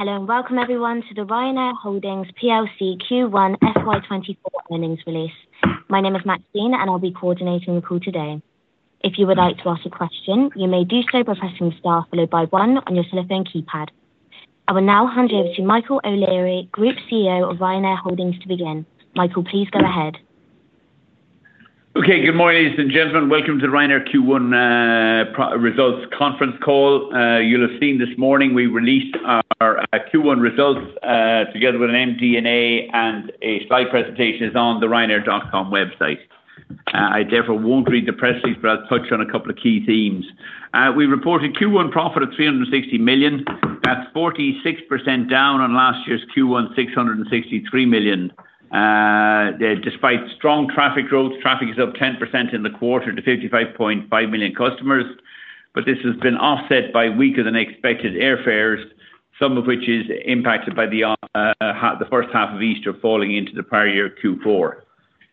Hello and welcome everyone to the Ryanair Holdings plc Q1 FY24 Earnings Release. My name is Maxine, and I'll be coordinating the call today. If you would like to ask a question, you may do so by pressing the star followed by one on your telephone keypad. I will now hand you over to Michael O'Leary, Group CEO of Ryanair Holdings, to begin. Michael, please go ahead. Okay, good morning ladies and gentlemen. Welcome to the Ryanair Q1 results conference call. You'll have seen this morning we released our Q1 results together with an MD&A and a slide presentation that's on the ryanair.com website. I therefore won't read the press release, but I'll touch on a couple of key themes. We reported Q1 profit of $360 million. That's 46% down on last year's Q1's $663 million. Despite strong traffic growth, traffic is up 10% in the quarter to 55.5 million customers, but this has been offset by weaker-than-expected airfares, some of which is impacted by the first half of Easter falling into the prior year Q4.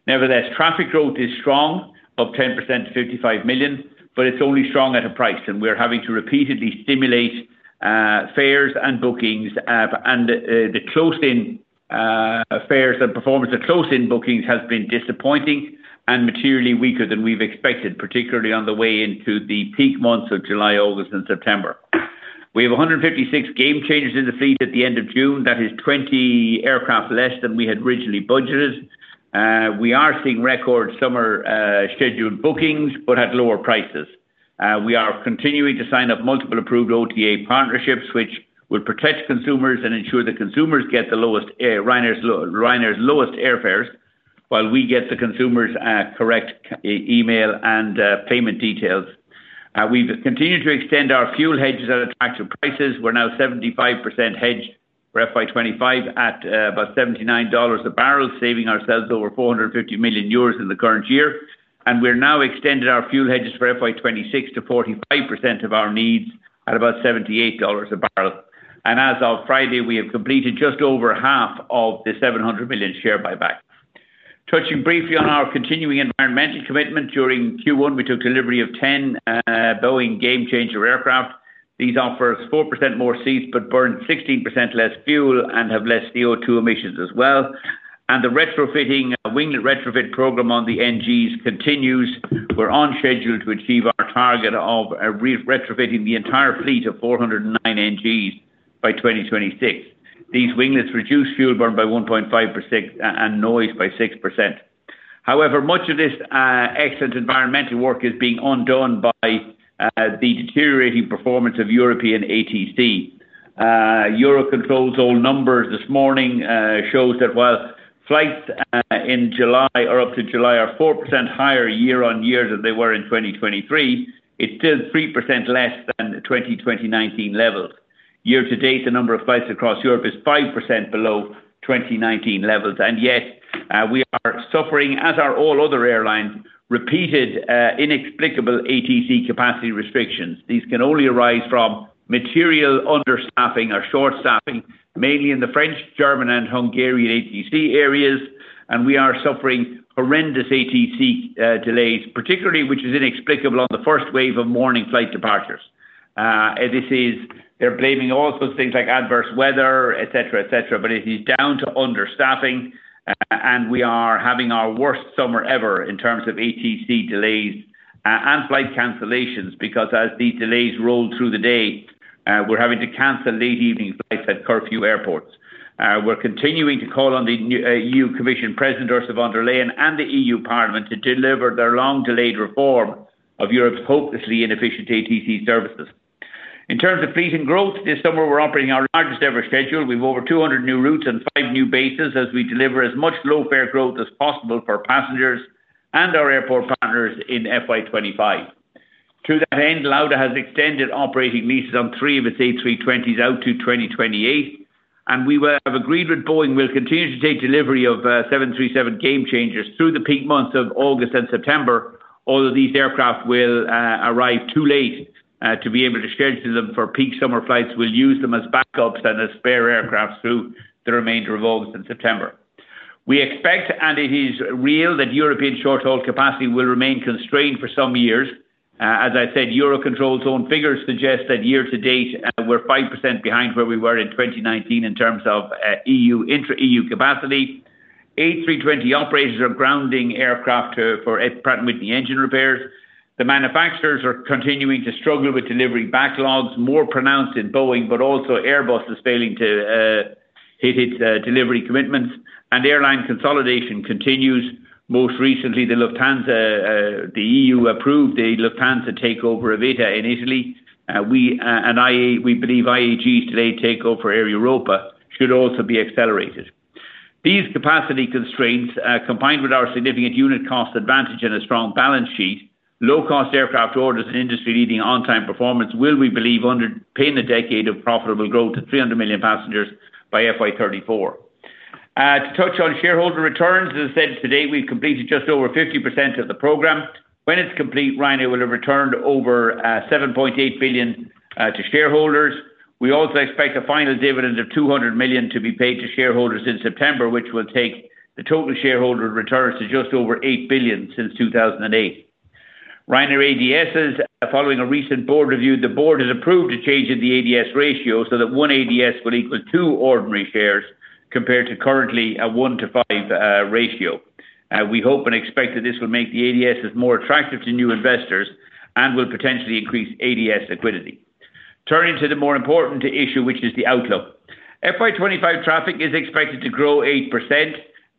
Nevertheless, traffic growth is strong, up 10% to 55 million, but it's only strong at a price, and we're having to repeatedly stimulate fares and bookings, and the close-in fares and performance of close-in bookings has been disappointing and materially weaker than we've expected, particularly on the way into the peak months of July, August, and September. We have 156 Gamechangers in the fleet at the end of June. That is 20 aircraft less than we had originally budgeted. We are seeing record summer scheduled bookings but at lower prices. We are continuing to sign up multiple approved OTA partnerships, which will protect consumers and ensure the consumers get the lowest Ryanair's lowest airfares while we get the consumers' correct email and payment details. We've continued to extend our fuel hedges at attractive prices. We're now 75% hedged for FY25 at about $79 a barrel, saving ourselves over 450 million euros in the current year, and we've now extended our fuel hedges for FY26 to 45% of our needs at about $78 a barrel. As of Friday, we have completed just over half of the $700 million share buyback. Touching briefly on our continuing environmental commitment, during Q1 we took delivery of 10 Boeing Gamechanger aircraft. These offer us 4% more seats but burn 16% less fuel and have less CO2 emissions as well. The retrofitting winglet retrofit program on the NGs continues. We're on schedule to achieve our target of retrofitting the entire fleet of 409 NGs by 2026. These winglets reduce fuel burn by 1.5% and noise by 6%. However, much of this excellent environmental work is being undone by the deteriorating performance of European ATC. EUROCONTROL's old numbers this morning show that while flights in July or up to July are 4% higher year on year than they were in 2023, it's still 3% less than 2019 levels. Year to date, the number of flights across Europe is 5% below 2019 levels, and yet we are suffering, as are all other airlines, repeated inexplicable ATC capacity restrictions. These can only arise from material understaffing or short-staffing, mainly in the French, German, and Hungarian ATC areas, and we are suffering horrendous ATC delays, particularly, which is inexplicable, on the first wave of morning flight departures. They're blaming all sorts of things like adverse weather, etc., etc., but it is down to understaffing, and we are having our worst summer ever in terms of ATC delays and flight cancellations because as these delays roll through the day, we're having to cancel late evening flights at curfew airports. We're continuing to call on the EU Commission President Ursula von der Leyen and the EU Parliament to deliver their long-delayed reform of Europe's hopelessly inefficient ATC services. In terms of fleet and growth, this summer we're operating our largest-ever schedule. We have over 200 new routes and 5 new bases as we deliver as much low fare growth as possible for passengers and our airport partners in FY25. To that end, Lauda has extended operating leases on 3 of its A320s out to 2028, and we have agreed with Boeing we'll continue to take delivery of 737 Gamechangers through the peak months of August and September, although these aircraft will arrive too late to be able to schedule them for peak summer flights. We'll use them as backups and as spare aircraft through the remainder of August and September. We expect, and it is real, that European short-haul capacity will remain constrained for some years. As I said, EUROCONTROL's own figures suggest that year to date we're 5% behind where we were in 2019 in terms of EU capacity. A320 operators are grounding aircraft for Pratt & Whitney engine repairs. The manufacturers are continuing to struggle with delivery backlogs, more pronounced in Boeing, but also Airbus is failing to hit its delivery commitments, and airline consolidation continues. Most recently, the Lufthansa, the EU approved the Lufthansa takeover of ITA in Italy, and we believe IAG's delayed takeover for Air Europa should also be accelerated. These capacity constraints, combined with our significant unit cost advantage and a strong balance sheet, low-cost aircraft orders and industry-leading on-time performance will, we believe, underpin a decade of profitable growth of 300 million passengers by FY34. To touch on shareholder returns, as I said, to date we've completed just over 50% of the program. When it's complete, Ryanair will have returned over $7.8 billion to shareholders. We also expect a final dividend of $200 million to be paid to shareholders in September, which will take the total shareholder returns to just over $8 billion since 2008. Ryanair ADSs, following a recent board review, the board has approved a change in the ADS ratio so that one ADS will equal two ordinary shares compared to currently a one-to-five ratio. We hope and expect that this will make the ADSs more attractive to new investors and will potentially increase ADS liquidity. Turning to the more important issue, which is the outlook. FY25 traffic is expected to grow 8%,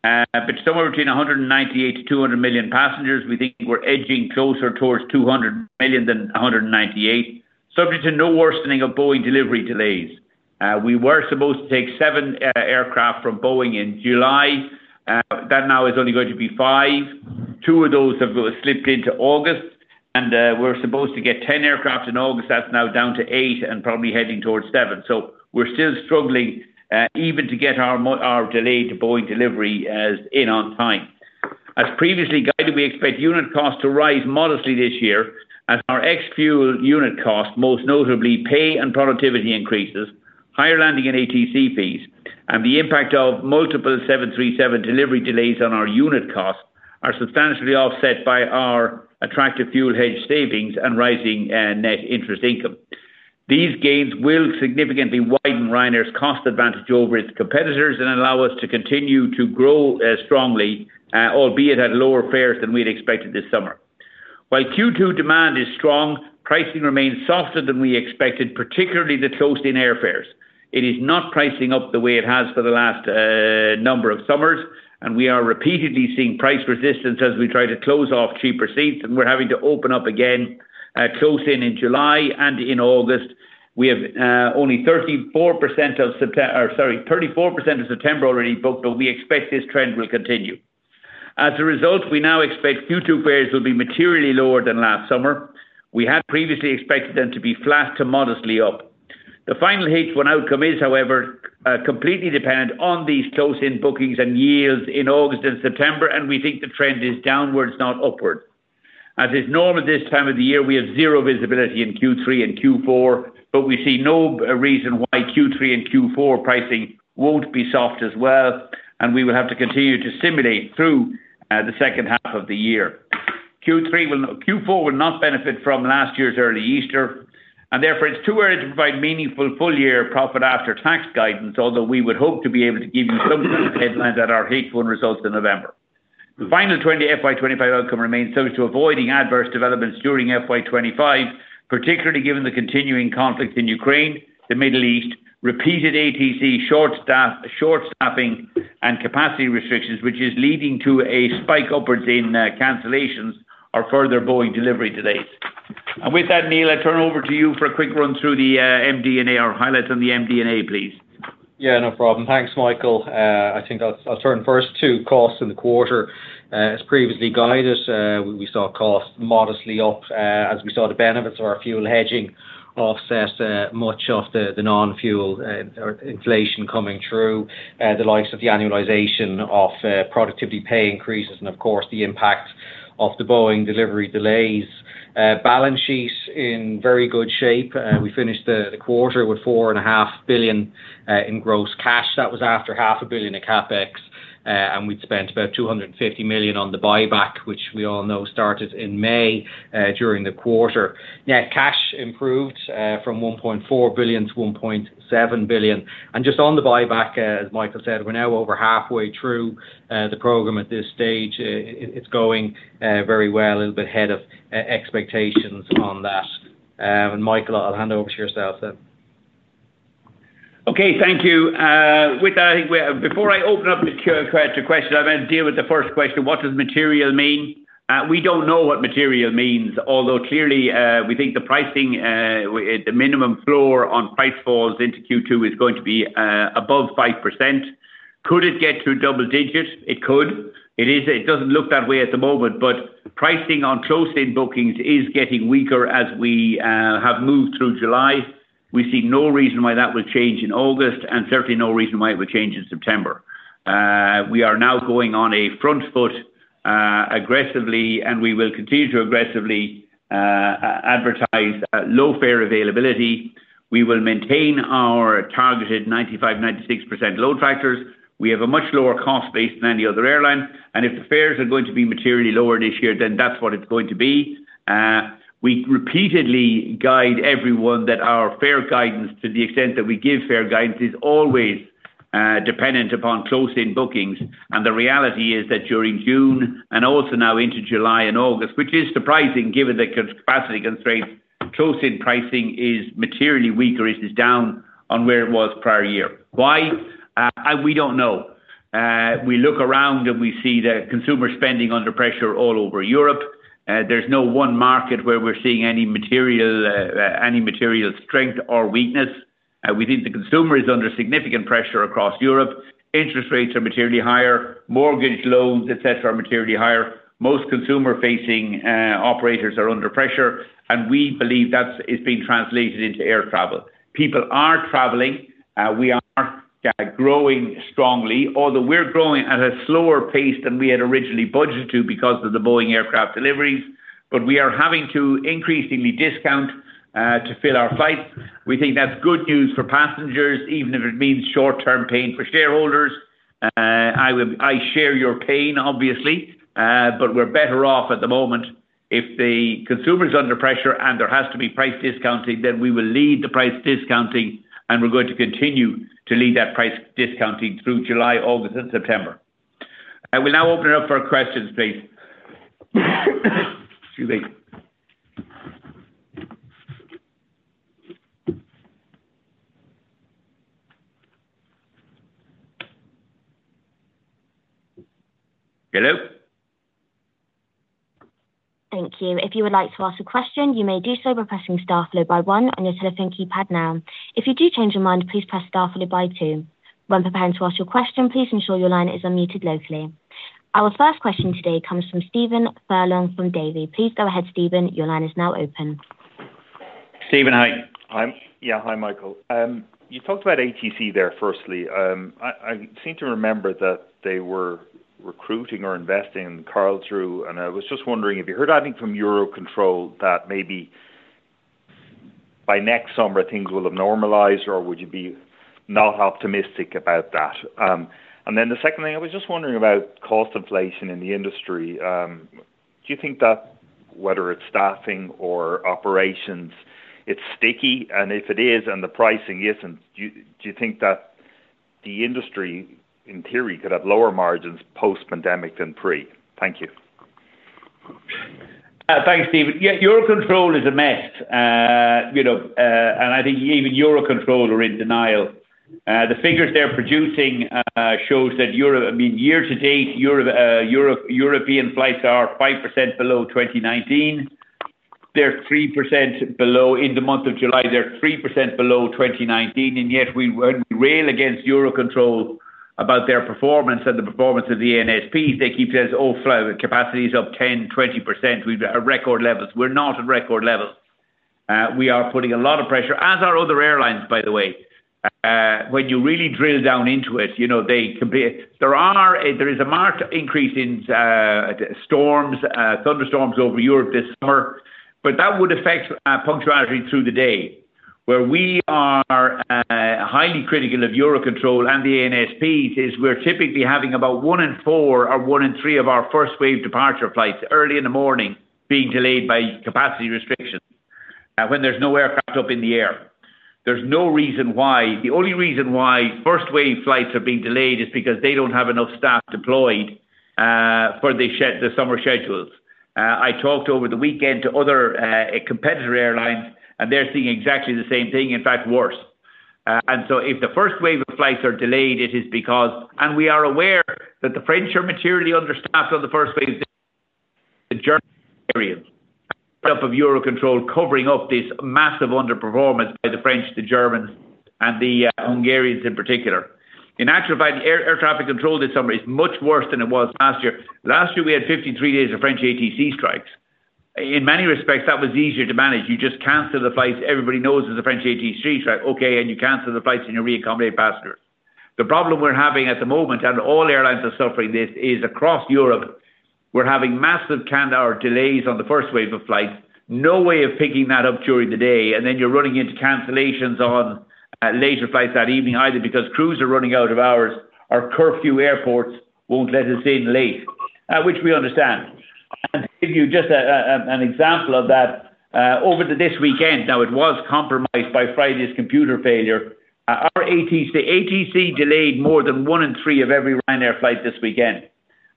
but somewhere between 198-200 million passengers. We think we're edging closer towards 200 million than 198, subject to no worsening of Boeing delivery delays. We were supposed to take 7 aircraft from Boeing in July. That now is only going to be 5. Two of those have slipped into August, and we're supposed to get 10 aircraft in August. That's now down to 8 and probably heading towards 7. So we're still struggling even to get our delayed Boeing delivery in on time. As previously guided, we expect unit costs to rise modestly this year as our ex-fuel unit costs, most notably pay and productivity increases, higher landing and ATC fees, and the impact of multiple 737 delivery delays on our unit costs are substantially offset by our attractive fuel hedge savings and rising net interest income. These gains will significantly widen Ryanair's cost advantage over its competitors and allow us to continue to grow strongly, albeit at lower fares than we'd expected this summer. While Q2 demand is strong, pricing remains softer than we expected, particularly the close-in airfares. It is not pricing up the way it has for the last number of summers, and we are repeatedly seeing price resistance as we try to close off cheaper seats, and we're having to open up again close-in in July and in August. We have only 34% of September already booked, but we expect this trend will continue. As a result, we now expect Q2 fares will be materially lower than last summer. We had previously expected them to be flat to modestly up. The final H1 outcome is, however, completely dependent on these close-in bookings and yields in August and September, and we think the trend is downwards, not upward. As is normal this time of the year, we have zero visibility in Q3 and Q4, but we see no reason why Q3 and Q4 pricing won't be soft as well, and we will have to continue to simulate through the second half of the year. Q4 will not benefit from last year's early Easter, and therefore it's too early to provide meaningful full-year profit after-tax guidance, although we would hope to be able to give you some kind of headlines at our half-year results in November. The final FY25 outcome remains subject to avoiding adverse developments during FY25, particularly given the continuing conflict in Ukraine, the Middle East, repeated ATC short-staffing, and capacity restrictions, which is leading to a spike upwards in cancellations or further Boeing delivery delays. With that, Neil, I turn over to you for a quick run through the MD&A, our highlights on the MD&A, please. Yeah, no problem. Thanks, Michael. I think I'll turn first to costs in the quarter. As previously guided, we saw costs modestly up as we saw the benefits of our fuel hedging offset much of the non-fuel inflation coming through, the likes of the annualization of productivity pay increases, and of course the impact of the Boeing delivery delays. Balance sheet in very good shape. We finished the quarter with 4.5 billion in gross cash. That was after half a billion of CapEx, and we'd spent about 250 million on the buyback, which we all know started in May during the quarter. Net cash improved from 1.4 billion to 1.7 billion. And just on the buyback, as Michael said, we're now over halfway through the program at this stage. It's going very well, a little bit ahead of expectations on that. Michael, I'll hand over to yourself then. Okay, thank you. With that, before I open up the Q&A to questions, I'm going to deal with the first question. What does material mean? We don't know what material means, although clearly we think the pricing, the minimum floor on price falls into Q2 is going to be above 5%. Could it get to double digits? It could. It doesn't look that way at the moment, but pricing on close-in bookings is getting weaker as we have moved through July. We see no reason why that would change in August, and certainly no reason why it would change in September. We are now going on a front foot aggressively, and we will continue to aggressively advertise low fare availability. We will maintain our targeted 95-96% load factors. We have a much lower cost base than any other airline, and if the fares are going to be materially lower this year, then that's what it's going to be. We repeatedly guide everyone that our fare guidance, to the extent that we give fare guidance, is always dependent upon close-in bookings, and the reality is that during June, and also now into July and August, which is surprising given the capacity constraints, close-in pricing is materially weaker, is down on where it was prior year. Why? We don't know. We look around and we see that consumer spending under pressure all over Europe. There's no one market where we're seeing any material strength or weakness. We think the consumer is under significant pressure across Europe. Interest rates are materially higher. Mortgage loans, etc., are materially higher. Most consumer-facing operators are under pressure, and we believe that's been translated into air travel. People are traveling. We are growing strongly, although we're growing at a slower pace than we had originally budgeted to because of the Boeing aircraft deliveries, but we are having to increasingly discount to fill our flights. We think that's good news for passengers, even if it means short-term pain for shareholders. I share your pain, obviously, but we're better off at the moment. If the consumer's under pressure and there has to be price discounting, then we will lead the price discounting, and we're going to continue to lead that price discounting through July, August, and September. I will now open it up for questions, please. Excuse me. Hello? Thank you. If you would like to ask a question, you may do so by pressing star followed by one on your telephone keypad now. If you do change your mind, please press star followed by two. When preparing to ask your question, please ensure your line is unmuted locally. Our first question today comes from Stephen Furlong from Davy. Please go ahead, Stephen. Your line is now open. Stephen, hi. Yeah, hi, Michael. You talked about ATC there firstly. I seem to remember that they were recruiting or investing in controllers, and I was just wondering if you heard anything from EUROCONTROL that maybe by next summer things will have normalized, or would you be not optimistic about that? And then the second thing, I was just wondering about cost inflation in the industry. Do you think that whether it's staffing or operations, it's sticky? And if it is and the pricing isn't, do you think that the industry, in theory, could have lower margins post-pandemic than pre? Thank you. Thanks, Stephen. Yeah, EUROCONTROL is a mess, and I think even EUROCONTROL are in denial. The figures they're producing show that, I mean, year to date, European flights are 5% below 2019. They're 3% below in the month of July. They're 3% below 2019, and yet when we rail against EUROCONTROL about their performance and the performance of the ANSPs, they keep saying, "Oh, flights, capacity is up 10%, 20%. We've got record levels." We're not at record levels. We are putting a lot of pressure, as are other airlines, by the way. When you really drill down into it, there is a marked increase in storms, thunderstorms over Europe this summer, but that would affect punctuality through the day. Where we are highly critical of EUROCONTROL and the ANSPs is we're typically having about 1 in 4 or 1 in 3 of our first wave departure flights early in the morning being delayed by capacity restrictions when there's no aircraft up in the air. There's no reason why. The only reason why first wave flights are being delayed is because they don't have enough staff deployed for the summer schedules. I talked over the weekend to other competitor airlines, and they're seeing exactly the same thing, in fact worse. And so if the first wave of flights are delayed, it is because. And we are aware that the French are materially understaffed on the first wave of the German airlines. EUROCONTROL covering up this massive underperformance by the French, the Germans, and the Hungarians in particular. In actual fact, air traffic control this summer is much worse than it was last year. Last year we had 53 days of French ATC strikes. In many respects, that was easier to manage. You just cancel the flights. Everybody knows it's a French ATC strike. Okay, and you cancel the flights and you reaccommodate passengers. The problem we're having at the moment, and all airlines are suffering this, is across Europe, we're having massive delays on the first wave of flights. No way of picking that up during the day, and then you're running into cancellations on later flights that evening, either because crews are running out of hours or curfew airports won't let us in late, which we understand. And to give you just an example of that, over this weekend, now it was compromised by Friday's computer failure. The ATC delayed more than one in three of every Ryanair flight this weekend.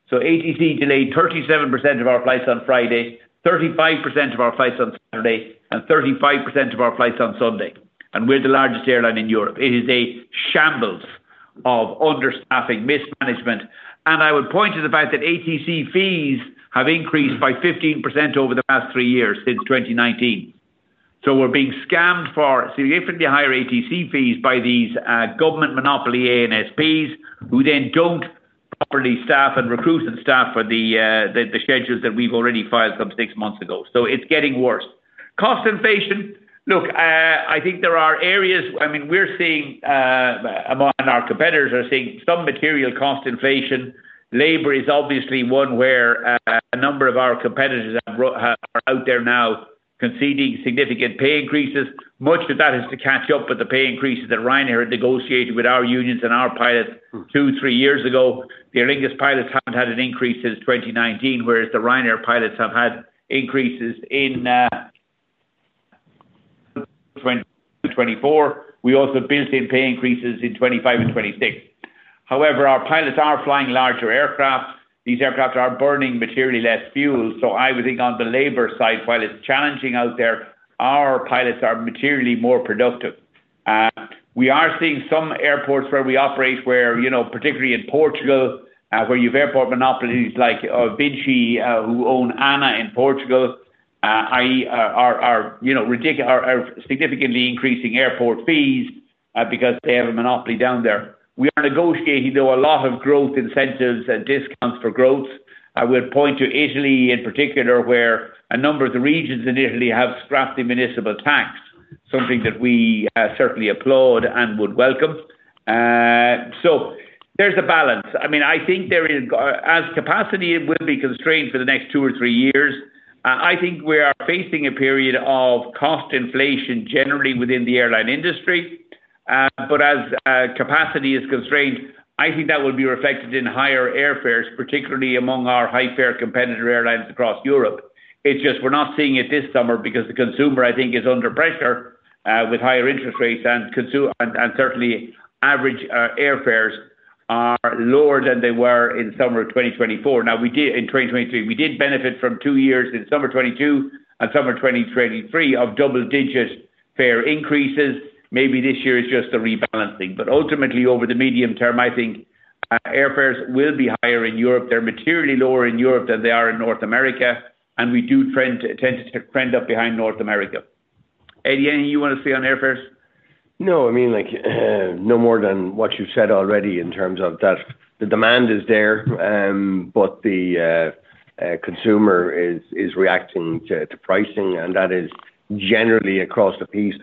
So ATC delayed 37% of our flights on Friday, 35% of our flights on Saturday, and 35% of our flights on Sunday. We're the largest airline in Europe. It is a shambles of understaffing, mismanagement, and I would point to the fact that ATC fees have increased by 15% over the past three years since 2019. So we're being scammed for significantly higher ATC fees by these government monopoly ANSPs who then don't properly staff and recruit and staff for the schedules that we've already filed some six months ago. So it's getting worse. Cost inflation. Look, I think there are areas, I mean, we're seeing, and our competitors are seeing some material cost inflation. Labor is obviously one where a number of our competitors are out there now conceding significant pay increases. Much of that is to catch up with the pay increases that Ryanair had negotiated with our unions and our pilots two, three years ago. Their latest pilots haven't had an increase since 2019, whereas the Ryanair pilots have had increases in 2024. We also built in pay increases in 2025 and 2026. However, our pilots are flying larger aircraft. These aircraft are burning materially less fuel. So I would think on the labor side, while it's challenging out there, our pilots are materially more productive. We are seeing some airports where we operate, particularly in Portugal, where you have airport monopolies like VINCI, who own ANA in Portugal, are significantly increasing airport fees because they have a monopoly down there. We are negotiating, though, a lot of growth incentives and discounts for growth. I would point to Italy in particular, where a number of the regions in Italy have scrapped the municipal tax, something that we certainly applaud and would welcome. So there's a balance. I mean, I think as capacity will be constrained for the next two or three years, I think we are facing a period of cost inflation generally within the airline industry. But as capacity is constrained, I think that will be reflected in higher airfares, particularly among our high-fare competitor airlines across Europe. It's just we're not seeing it this summer because the consumer, I think, is under pressure with higher interest rates, and certainly average airfares are lower than they were in summer 2024. Now, in 2023, we did benefit from 2 years in summer 2022 and summer 2023 of double-digit fare increases. Maybe this year is just the rebalancing. But ultimately, over the medium term, I think airfares will be higher in Europe. They're materially lower in Europe than they are in North America, and we do tend to trend up behind North America. Eddie, anything you want to say on airfares? No, I mean, no more than what you've said already in terms of that the demand is there, but the consumer is reacting to pricing, and that is generally across the piece,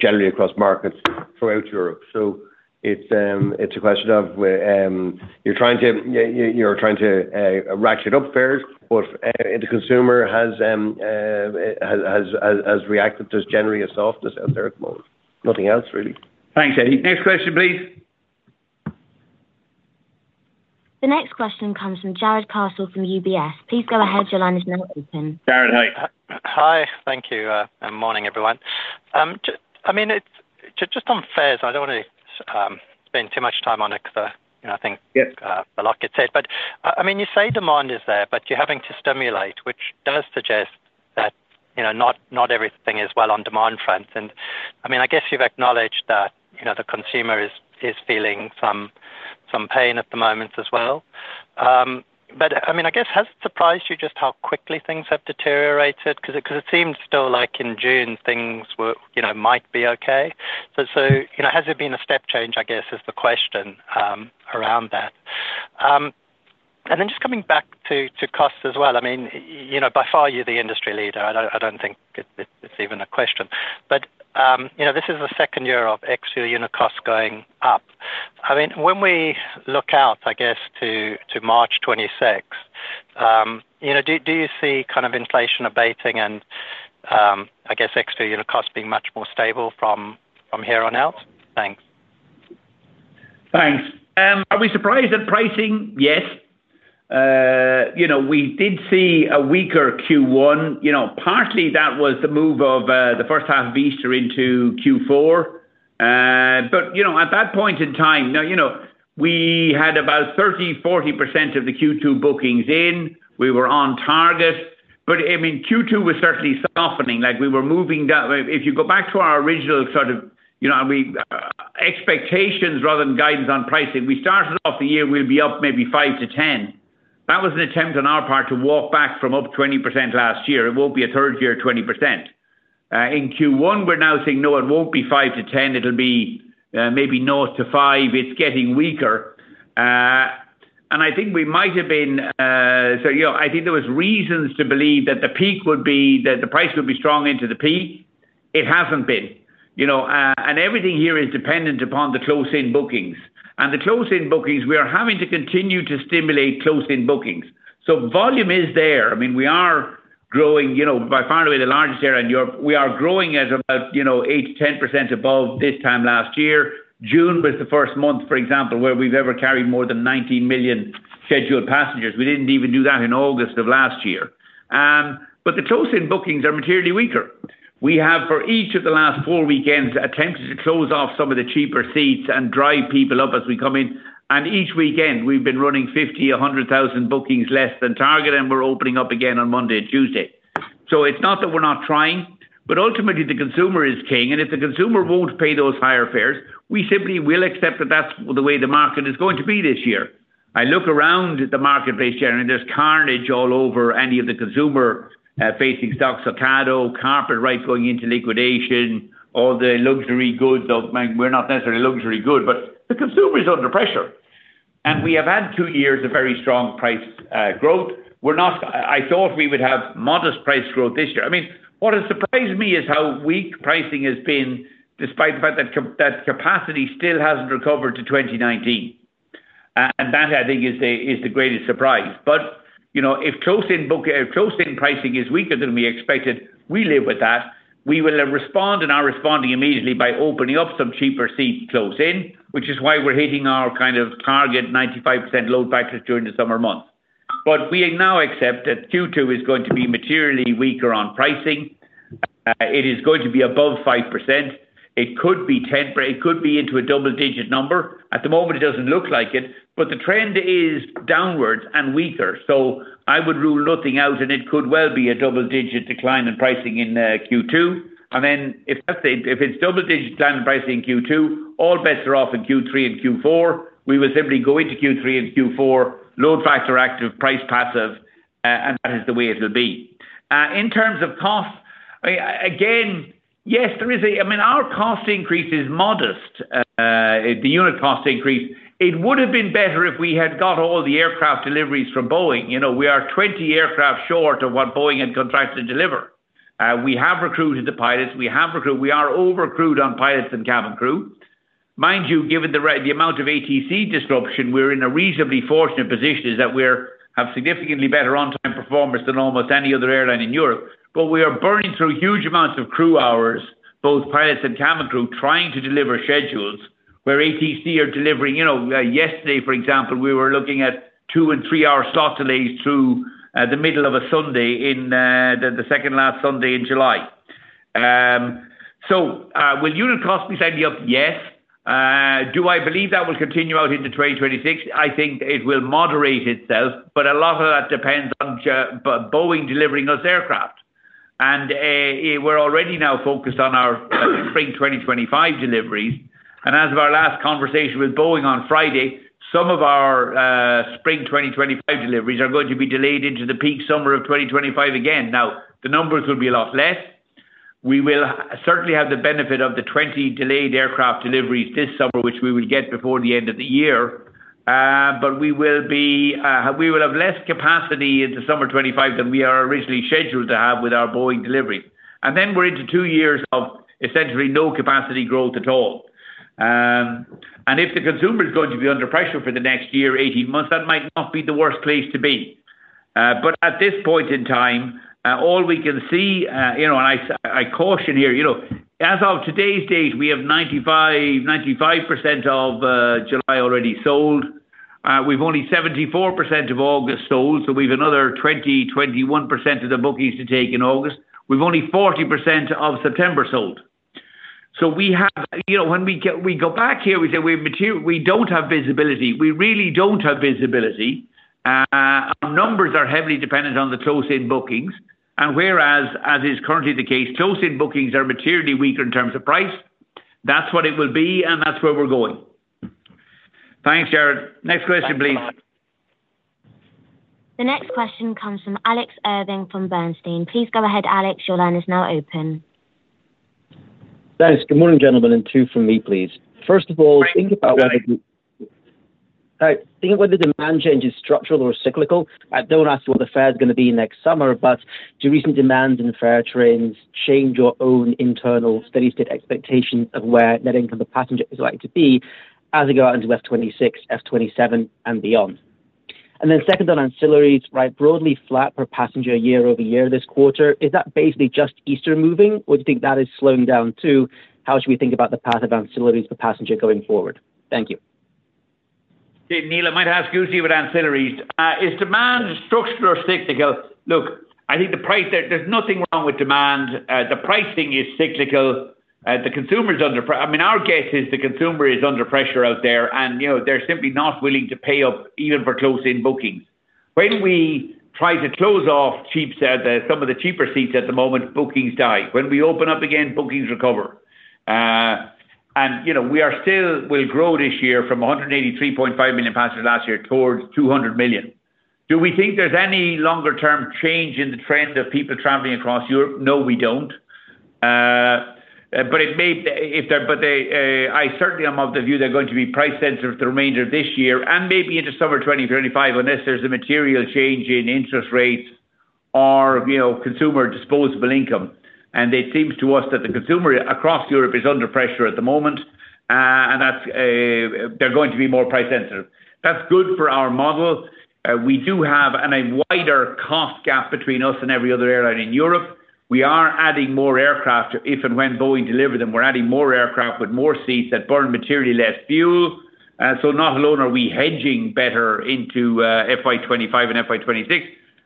generally across markets throughout Europe. It's a question of you're trying to ratchet up fares, but the consumer has reacted to generally a softness out there at the moment. Nothing else, really. Thanks, Eddie. Next question, please. The next question comes from Jarrod Castle from UBS. Please go ahead. Your line is now open. Jarod, hi. Hi. Thank you. Morning, everyone. I mean, just on fares, I don't want to spend too much time on it because I think a lot gets said. But I mean, you say demand is there, but you're having to stimulate, which does suggest that not everything is well on demand fronts. And I mean, I guess you've acknowledged that the consumer is feeling some pain at the moment as well. But I mean, I guess, has it surprised you just how quickly things have deteriorated? Because it seems still like in June, things might be okay. So has there been a step change, I guess, is the question around that. And then just coming back to cost as well. I mean, by far, you're the industry leader. I don't think it's even a question. But this is the second year of ex-fuel unit costs going up. I mean, when we look out, I guess, to March 26, do you see kind of inflation abating and, I guess, ex-fuel unit costs being much more stable from here on out? Thanks. Thanks. Are we surprised at pricing? Yes. We did see a weaker Q1. Partly, that was the move of the first half of Easter into Q4. But at that point in time, we had about 30%-40% of the Q2 bookings in. We were on target. But I mean, Q2 was certainly softening. We were moving down. If you go back to our original sort of expectations rather than guidance on pricing, we started off the year, we'll be up maybe 5%-10%. That was an attempt on our part to walk back from up 20% last year. It won't be a third year at 20%. In Q1, we're now saying, "No, it won't be 5%-10%. It'll be maybe 0%-5%." It's getting weaker. I think we might have been so I think there were reasons to believe that the peak would be that the price would be strong into the peak. It hasn't been. Everything here is dependent upon the close-in bookings. The close-in bookings, we are having to continue to stimulate close-in bookings. So volume is there. I mean, we are growing. By far, we're the largest airline in Europe. We are growing at about 8%-10% above this time last year. June was the first month, for example, where we've ever carried more than 19 million scheduled passengers. We didn't even do that in August of last year. But the close-in bookings are materially weaker. We have, for each of the last 4 weekends, attempted to close off some of the cheaper seats and drive people up as we come in. Each weekend, we've been running 50,000-100,000 bookings less than target, and we're opening up again on Monday and Tuesday. So it's not that we're not trying, but ultimately, the consumer is king. And if the consumer won't pay those higher fares, we simply will accept that that's the way the market is going to be this year. I look around the marketplace generally, there's carnage all over any of the consumer-facing stocks. So Ocado Carpetright going into liquidation, all the luxury goods. We're not necessarily luxury goods, but the consumer is under pressure. And we have had two years of very strong price growth. I thought we would have modest price growth this year. I mean, what has surprised me is how weak pricing has been despite the fact that capacity still hasn't recovered to 2019. And that, I think, is the greatest surprise. But if close-in pricing is weaker than we expected, we live with that. We will respond, and we're responding immediately by opening up some cheaper seats close-in, which is why we're hitting our kind of target 95% load factor during the summer months. But we now accept that Q2 is going to be materially weaker on pricing. It is going to be above 5%. It could be 10%. It could be into a double-digit number. At the moment, it doesn't look like it, but the trend is downwards and weaker. So I would rule nothing out, and it could well be a double-digit decline in pricing in Q2. And then if it's double-digit decline in pricing in Q2, all bets are off in Q3 and Q4. We will simply go into Q3 and Q4, load factor active, price passive, and that is the way it will be. In terms of cost, again, yes, there is, I mean, our cost increase is modest, the unit cost increase. It would have been better if we had got all the aircraft deliveries from Boeing. We are 20 aircraft short of what Boeing had contracted to deliver. We have recruited the pilots. We are overcrewed on pilots and cabin crew. Mind you, given the amount of ATC disruption, we're in a reasonably fortunate position is that we have significantly better on-time performance than almost any other airline in Europe. But we are burning through huge amounts of crew hours, both pilots and cabin crew, trying to deliver schedules where ATC are delivering. Yesterday, for example, we were looking at 2- and 3-hour slot delays through the middle of a Sunday, the second last Sunday in July. So will unit cost be slightly up? Yes. Do I believe that will continue out into 2026? I think it will moderate itself, but a lot of that depends on Boeing delivering us aircraft. We're already now focused on our spring 2025 deliveries. As of our last conversation with Boeing on Friday, some of our spring 2025 deliveries are going to be delayed into the peak summer of 2025 again. Now, the numbers will be a lot less. We will certainly have the benefit of the 20 delayed aircraft deliveries this summer, which we will get before the end of the year. But we will have less capacity in the summer 2025 than we are originally scheduled to have with our Boeing deliveries. Then we're into two years of essentially no capacity growth at all. If the consumer is going to be under pressure for the next year, 18 months, that might not be the worst place to be. But at this point in time, all we can see, and I caution here, as of today's date, we have 95% of July already sold. We've only 74% of August sold. So we have another 20%-21% of the bookings to take in August. We've only 40% of September sold. So when we go back here, we say we don't have visibility. We really don't have visibility. Our numbers are heavily dependent on the close-in bookings. And whereas, as is currently the case, close-in bookings are materially weaker in terms of price. That's what it will be, and that's where we're going. Thanks, Jarod. Next question, please. The next question comes from Alex Irving from Bernstein. Please go ahead, Alex. Your line is now open. Thanks. Good morning, gentlemen, and two from me, please. First of all, think about whether demand change is structural or cyclical. I don't ask what the fare is going to be next summer, but do recent demands in fare trends change your own internal steady-state expectations of where net income per passenger is likely to be as they go out into F26, F27, and beyond? And then second on ancillaries, right, broadly flat per passenger year-over-year this quarter. Is that basically just Easter moving, or do you think that is slowing down too? How should we think about the path of ancillaries per passenger going forward? Thank you. Neil, I might ask you too about ancillaries. Is demand structural or cyclical? Look, I think there's nothing wrong with demand. The pricing is cyclical. The consumer is under pressure. I mean, our guess is the consumer is under pressure out there, and they're simply not willing to pay up even for close-in bookings. When we try to close off some of the cheaper seats at the moment, bookings die. When we open up again, bookings recover. And we will still grow this year from 183.5 million passengers last year towards 200 million. Do we think there's any longer-term change in the trend of people traveling across Europe? No, we don't. But I certainly am of the view they're going to be price-sensitive the remainder of this year and maybe into summer 2025 unless there's a material change in interest rates or consumer disposable income. It seems to us that the consumer across Europe is under pressure at the moment, and they're going to be more price-sensitive. That's good for our model. We do have a wider cost gap between us and every other airline in Europe. We are adding more aircraft if and when Boeing delivers them. We're adding more aircraft with more seats that burn materially less fuel. So not alone are we hedging better into FY25 and FY26,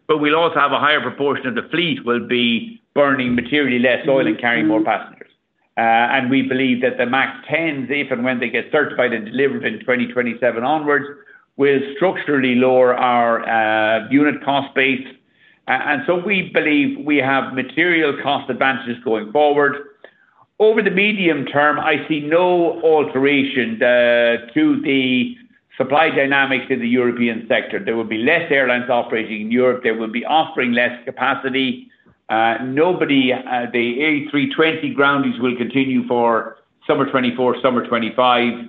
but we'll also have a higher proportion of the fleet will be burning materially less oil and carrying more passengers. And we believe that the MAX 10s, if and when they get certified and delivered in 2027 onwards, will structurally lower our unit cost base. And so we believe we have material cost advantages going forward. Over the medium term, I see no alteration to the supply dynamics in the European sector. There will be less airlines operating in Europe. They will be offering less capacity. The A320 groundings will continue for summer 2024, summer 2025.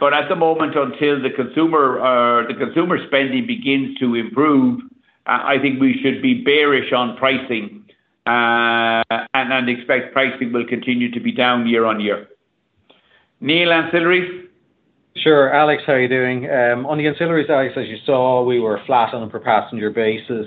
But at the moment, until the consumer spending begins to improve, I think we should be bearish on pricing and expect pricing will continue to be down year-on-year. Neil, ancillaries? Sure. Alex, how are you doing? On the ancillaries, Alex, as you saw, we were flat on a per-passenger basis.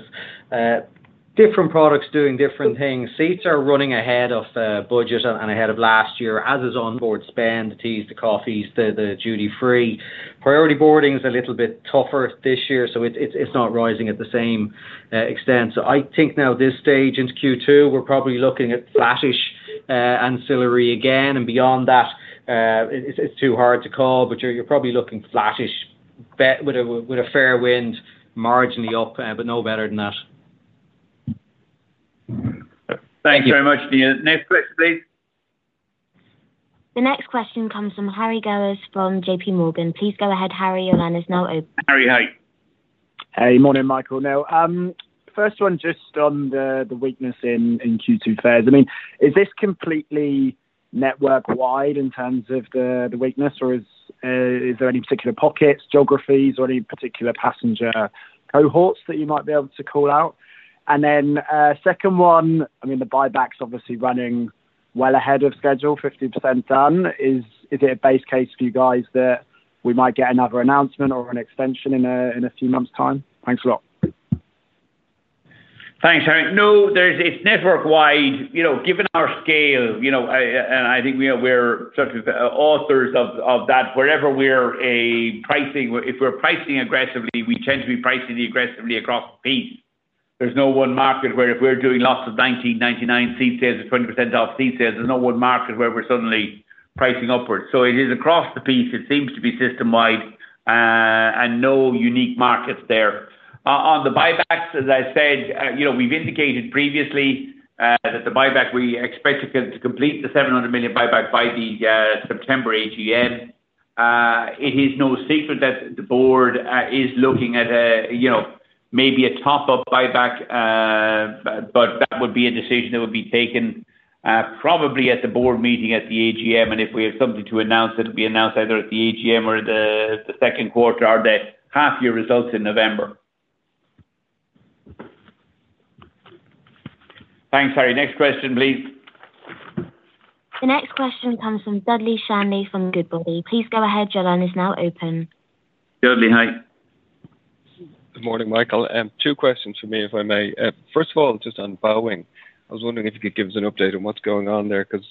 Different products doing different things. Seats are running ahead of budget and ahead of last year, as is onboard spend, the teas, the coffees, the duty-free. Priority boarding is a little bit tougher this year, so it's not rising at the same extent. So I think now this stage into Q2, we're probably looking at flat-ish ancillary again. And beyond that, it's too hard to call, but you're probably looking flat-ish with a fair wind marginally up, but no better than that. Thanks very much, Neil. Next question, please. The next question comes from Harry Gowers from JPMorgan. Please go ahead, Harry. Your line is now open. Harry, hi. Hey, morning, Michael. Now, first one, just on the weakness in Q2 fares. I mean, is this completely network-wide in terms of the weakness, or is there any particular pockets, geographies, or any particular passenger cohorts that you might be able to call out? And then second one, I mean, the buyback's obviously running well ahead of schedule, 50% done. Is it a base case for you guys that we might get another announcement or an extension in a few months' time? Thanks a lot. Thanks, Harry. No, it's network-wide. Given our scale, and I think we're sort of authors of that, wherever we're pricing, if we're pricing aggressively, we tend to be pricing aggressively across the piece. There's no one market where if we're doing lots of 19.99 seat sales or 20% off seat sales, there's no one market where we're suddenly pricing upwards. So it is across the piece. It seems to be system-wide and no unique markets there. On the buybacks, as I said, we've indicated previously that the buyback, we expect to complete the 700 million buyback by the September AGM. It is no secret that the board is looking at maybe a top-up buyback, but that would be a decision that would be taken probably at the board meeting at the AGM. If we have something to announce, it'll be announced either at the AGM or the second quarter or the half-year results in November. Thanks, Harry. Next question, please. The next question comes from Dudley Shanley from Goodbody. Please go ahead. Your line is now open. Dudley, hi. Good morning, Michael. Two questions for me, if I may. First of all, just on Boeing, I was wondering if you could give us an update on what's going on there because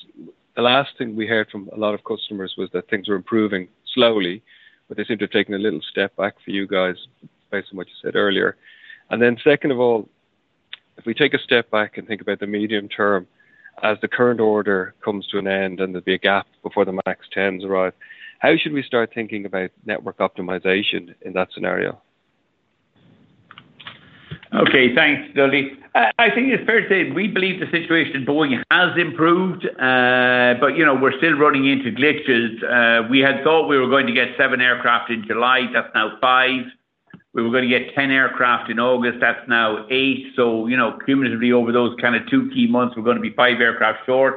the last thing we heard from a lot of customers was that things were improving slowly, but they seem to have taken a little step back for you guys based on what you said earlier. And then second of all, if we take a step back and think about the medium term as the current order comes to an end and there'll be a gap before the MAX 10s arrive, how should we start thinking about network optimization in that scenario? Okay, thanks, Dudley. I think it's fair to say we believe the situation at Boeing has improved, but we're still running into glitches. We had thought we were going to get 7 aircraft in July. That's now 5. We were going to get 10 aircraft in August. That's now 8. So cumulatively over those kind of two key months, we're going to be 5 aircraft short.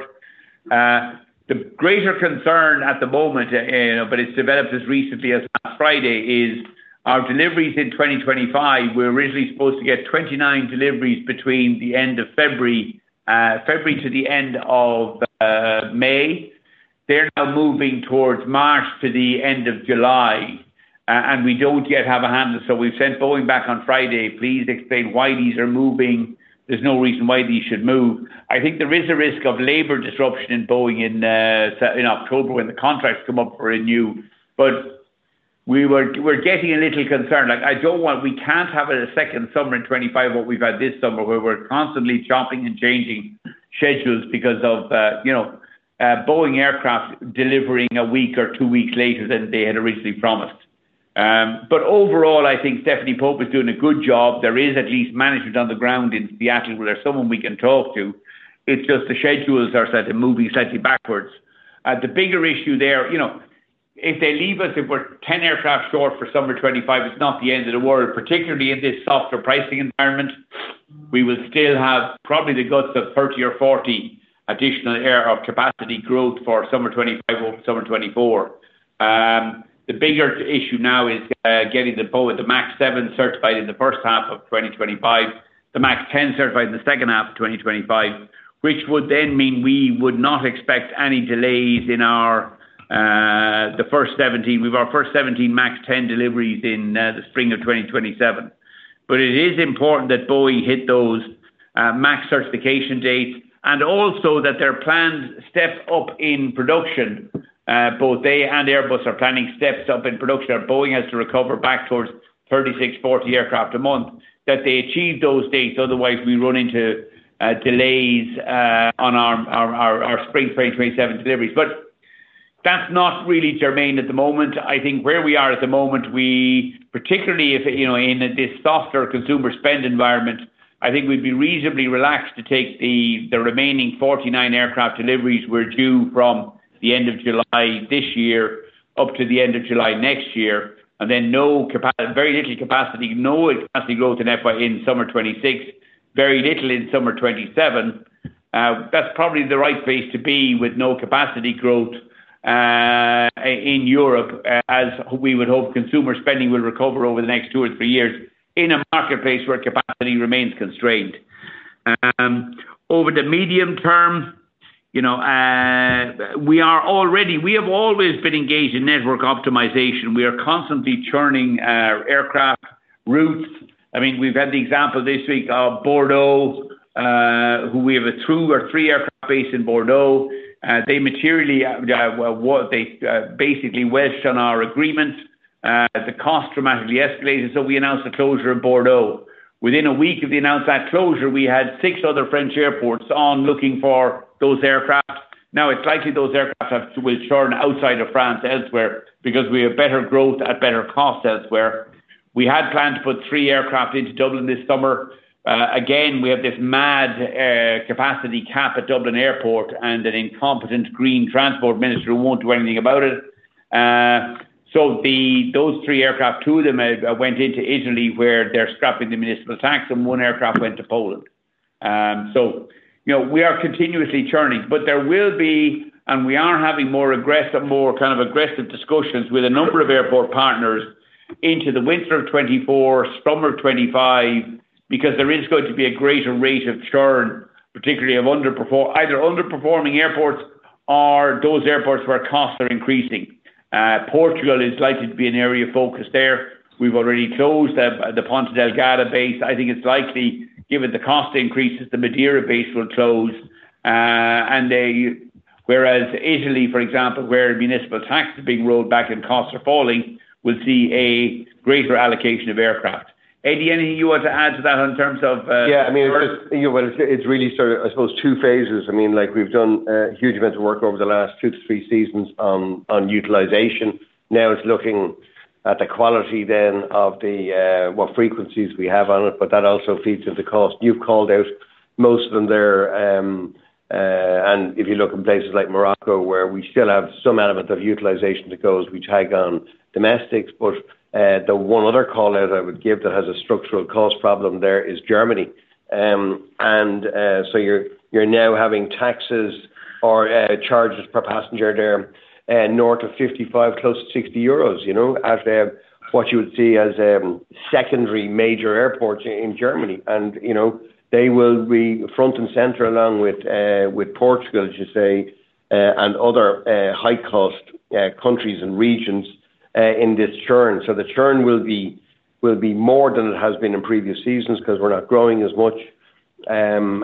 The greater concern at the moment, but it's developed as recently as last Friday, is our deliveries in 2025. We're originally supposed to get 29 deliveries between the end of February, February to the end of May. They're now moving towards March to the end of July, and we don't yet have a handle. So we've sent Boeing back on Friday, "Please explain why these are moving. There's no reason why these should move." I think there is a risk of labor disruption in Boeing in October when the contracts come up for renewal. But we're getting a little concerned. We can't have a second summer in 2025 what we've had this summer where we're constantly jumping and changing schedules because of Boeing aircraft delivering a week or two weeks later than they had originally promised. But overall, I think Stephanie Pope is doing a good job. There is at least management on the ground in Seattle where there's someone we can talk to. It's just the schedules are moving slightly backwards. The bigger issue there, if they leave us, if we're 10 aircraft short for summer 2025, it's not the end of the world, particularly in this softer pricing environment. We will still have probably the guts of 30 or 40 additional aircraft capacity growth for summer 2025 or summer 2024. The bigger issue now is getting the MAX 7 certified in the first half of 2025, the MAX 10 certified in the second half of 2025, which would then mean we would not expect any delays in the first 17. We have our first 17 MAX 10 deliveries in the spring of 2027. But it is important that Boeing hit those MAX certification dates and also that their planned step up in production. Both they and Airbus are planning steps up in production that Boeing has to recover back towards 36, 40 aircraft a month, that they achieve those dates. Otherwise, we run into delays on our spring 2027 deliveries. But that's not really germane at the moment. I think where we are at the moment, particularly in this softer consumer spend environment, I think we'd be reasonably relaxed to take the remaining 49 aircraft deliveries we're due from the end of July this year up to the end of July next year, and then very little capacity, no capacity growth in summer 2026, very little in summer 2027. That's probably the right place to be with no capacity growth in Europe, as we would hope consumer spending will recover over the next two or three years in a marketplace where capacity remains constrained. Over the medium term, we have always been engaged in network optimization. We are constantly churning aircraft routes. I mean, we've had the example this week of Bordeaux, who we have a two or three aircraft base in Bordeaux. They materially basically went on our agreement. The cost dramatically escalated. So we announced the closure of Bordeaux. Within a week of the announcement, that closure, we had 6 other French airports on looking for those aircraft. Now, it's likely those aircraft will churn outside of France elsewhere because we have better growth at better cost elsewhere. We had planned to put 3 aircraft into Dublin this summer. Again, we have this mad capacity cap at Dublin Airport, and an incompetent green transport minister who won't do anything about it. So those 3 aircraft, 2 of them went into Italy where they're scrapping the municipal tax, and 1 aircraft went to Poland. So we are continuously churning, but there will be, and we are having more kind of aggressive discussions with a number of airport partners into the winter of 2024, summer 2025, because there is going to be a greater rate of churn, particularly of either underperforming airports or those airports where costs are increasing. Portugal is likely to be an area of focus there. We've already closed the Ponta Delgada base. I think it's likely, given the cost increases, the Madeira base will close. And whereas Italy, for example, where municipal tax is being rolled back and costs are falling, we'll see a greater allocation of aircraft. Eddie, anything you want to add to that in terms of? Yeah, I mean, it's really sort of, I suppose, two phases. I mean, we've done huge amounts of work over the last 2-3 seasons on utilization. Now it's looking at the quality then of what frequencies we have on it, but that also feeds into cost. You've called out most of them there. And if you look in places like Morocco, where we still have some element of utilization that goes, we tag on domestics. But the one other callout I would give that has a structural cost problem there is Germany. And so you're now having taxes or charges per passenger there north of 55, close to 60 euros, as what you would see as secondary major airports in Germany. And they will be front and center along with Portugal, as you say, and other high-cost countries and regions in this churn. So the churn will be more than it has been in previous seasons because we're not growing as much, and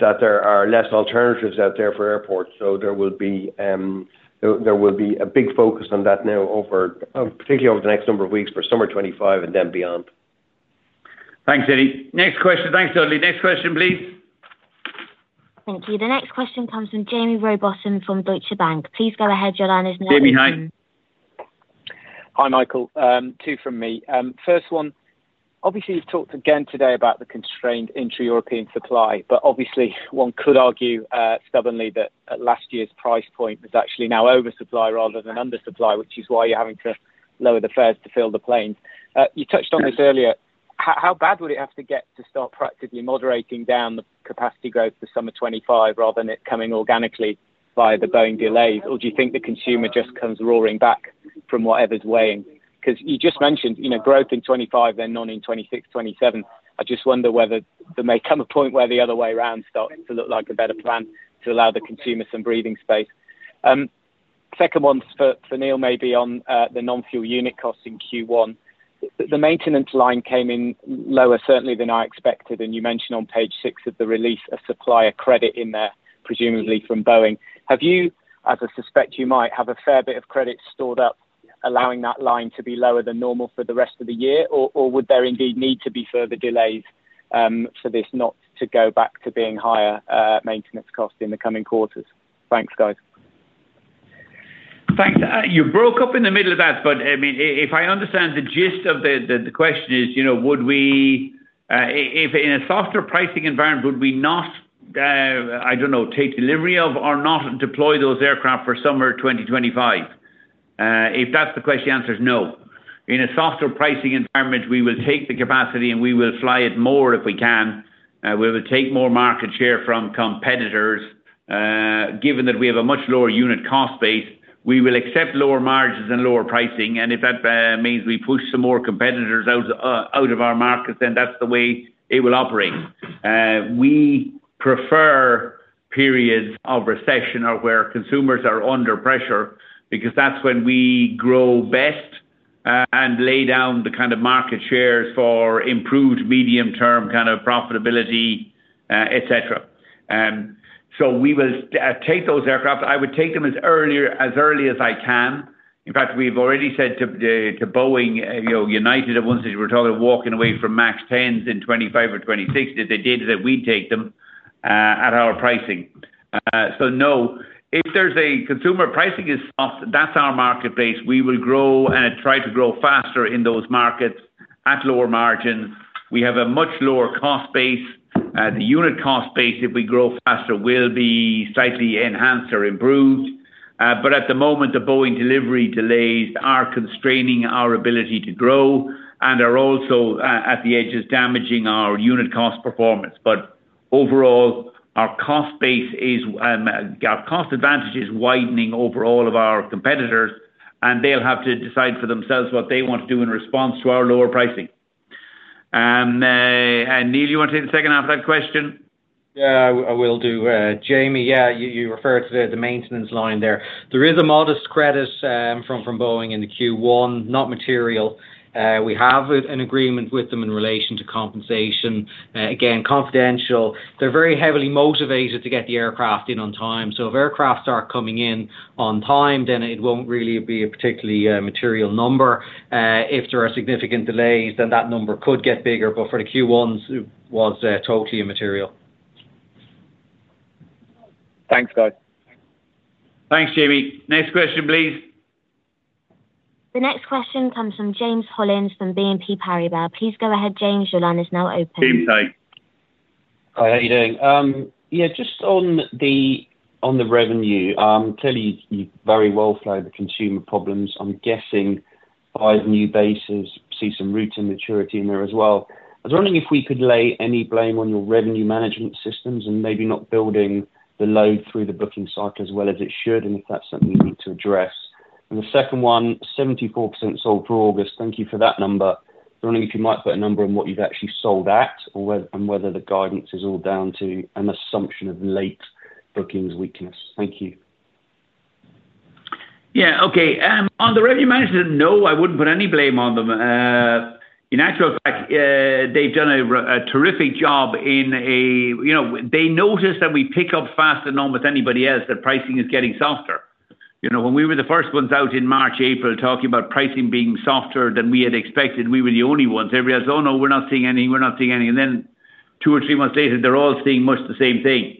that there are less alternatives out there for airports. So there will be a big focus on that now, particularly over the next number of weeks for summer 2025 and then beyond. Thanks, Eddie. Next question. Thanks, Dudley. Next question, please. Thank you. The next question comes from Jaime Rowbotham from Deutsche Bank. Please go ahead. Your line is now open. Jaime, hi. Hi, Michael. Two from me. First one, obviously, you've talked again today about the constrained intra-European supply, but obviously, one could argue stubbornly that last year's price point was actually now oversupply rather than undersupply, which is why you're having to lower the fares to fill the planes. You touched on this earlier. How bad would it have to get to start practically moderating down the capacity growth for summer 2025 rather than it coming organically via the Boeing delays? Or do you think the consumer just comes roaring back from whatever's weighing? Because you just mentioned growth in 2025, then none in 2026, 2027. I just wonder whether there may come a point where the other way around starts to look like a better plan to allow the consumer some breathing space. Second one for Neil may be on the non-fuel unit costs in Q1. The maintenance line came in lower certainly than I expected. You mentioned on page 6 of the release a supplier credit in there, presumably from Boeing. Have you, as I suspect you might, have a fair bit of credit stored up, allowing that line to be lower than normal for the rest of the year? Or would there indeed need to be further delays for this not to go back to being higher maintenance costs in the coming quarters? Thanks, guys. Thanks. You broke up in the middle of that, but I mean, if I understand the gist of the question is, would we, if in a softer pricing environment, would we not, I don't know, take delivery of or not deploy those aircraft for summer 2025? If that's the question, the answer is no. In a softer pricing environment, we will take the capacity and we will fly it more if we can. We will take more market share from competitors. Given that we have a much lower unit cost base, we will accept lower margins and lower pricing. And if that means we push some more competitors out of our market, then that's the way it will operate. We prefer periods of recession where consumers are under pressure because that's when we grow best and lay down the kind of market shares for improved medium-term kind of profitability, etc. So we will take those aircraft. I would take them as early as I can. In fact, we've already said to Boeing, United, I want to say we're talking about walking away from MAX 10s in 2025 or 2026, that they did that we'd take them at our pricing. So no, if there's a consumer pricing is soft, that's our marketplace. We will grow and try to grow faster in those markets at lower margins. We have a much lower cost base. The unit cost base, if we grow faster, will be slightly enhanced or improved. But at the moment, the Boeing delivery delays are constraining our ability to grow and are also at the edge of damaging our unit cost performance. But overall, our cost base is our cost advantage is widening over all of our competitors, and they'll have to decide for themselves what they want to do in response to our lower pricing. And Neil, you want to take the second half of that question? Yeah, I will do. Jamie, yeah, you referred to the maintenance line there. There is a modest credit from Boeing in the Q1, not material. We have an agreement with them in relation to compensation. Again, confidential. They're very heavily motivated to get the aircraft in on time. So if aircraft start coming in on time, then it won't really be a particularly material number. If there are significant delays, then that number could get bigger. But for the Q1, it was totally immaterial. Thanks, guys. Thanks, Jamie. Next question, please. The next question comes from James Hollins from BNP Paribas. Please go ahead, James. Your line is now open. James Hay. Hi, how are you doing? Yeah, just on the revenue, clearly, you very well flagged the consumer problems. I'm guessing 5 new bases, see some route immaturity in there as well. I was wondering if we could lay any blame on your revenue management systems and maybe not building the load through the booking cycle as well as it should, and if that's something you need to address. And the second one, 74% sold for August. Thank you for that number. I was wondering if you might put a number on what you've actually sold at and whether the guidance is all down to an assumption of late bookings weakness. Thank you. Yeah, okay. On the revenue management, no, I wouldn't put any blame on them. In actual fact, they've done a terrific job in that they noticed that we pick up faster than almost anybody else, that pricing is getting softer. When we were the first ones out in March, April talking about pricing being softer than we had expected, we were the only ones. Everybody else, "Oh, no, we're not seeing anything. We're not seeing anything." And then two or three months later, they're all seeing much the same thing.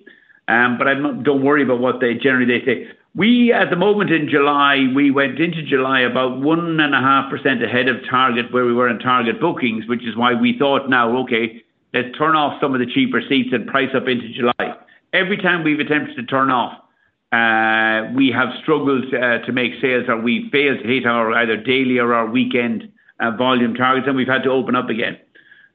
But don't worry about what they generally say. We, at the moment in July, we went into July about 1.5% ahead of target where we were in target bookings, which is why we thought now, "Okay, let's turn off some of the cheaper seats and price up into July." Every time we've attempted to turn off, we have struggled to make sales or we failed to hit our either daily or our weekend volume targets, and we've had to open up again.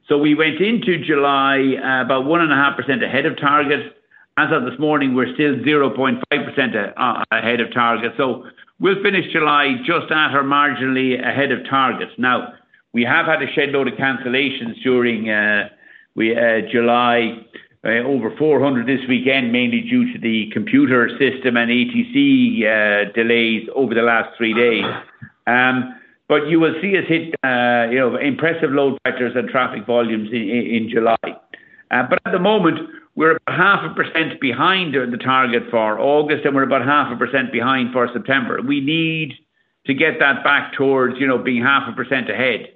So we went into July about 1.5% ahead of target. As of this morning, we're still 0.5% ahead of target. So we'll finish July just at or marginally ahead of target. Now, we have had a shed load of cancellations during July, over 400 this weekend, mainly due to the computer system and ATC delays over the last three days. But you will see us hit impressive load factors and traffic volumes in July. But at the moment, we're about 0.5% behind the target for August, and we're about 0.5% behind for September. We need to get that back towards being 0.5% ahead.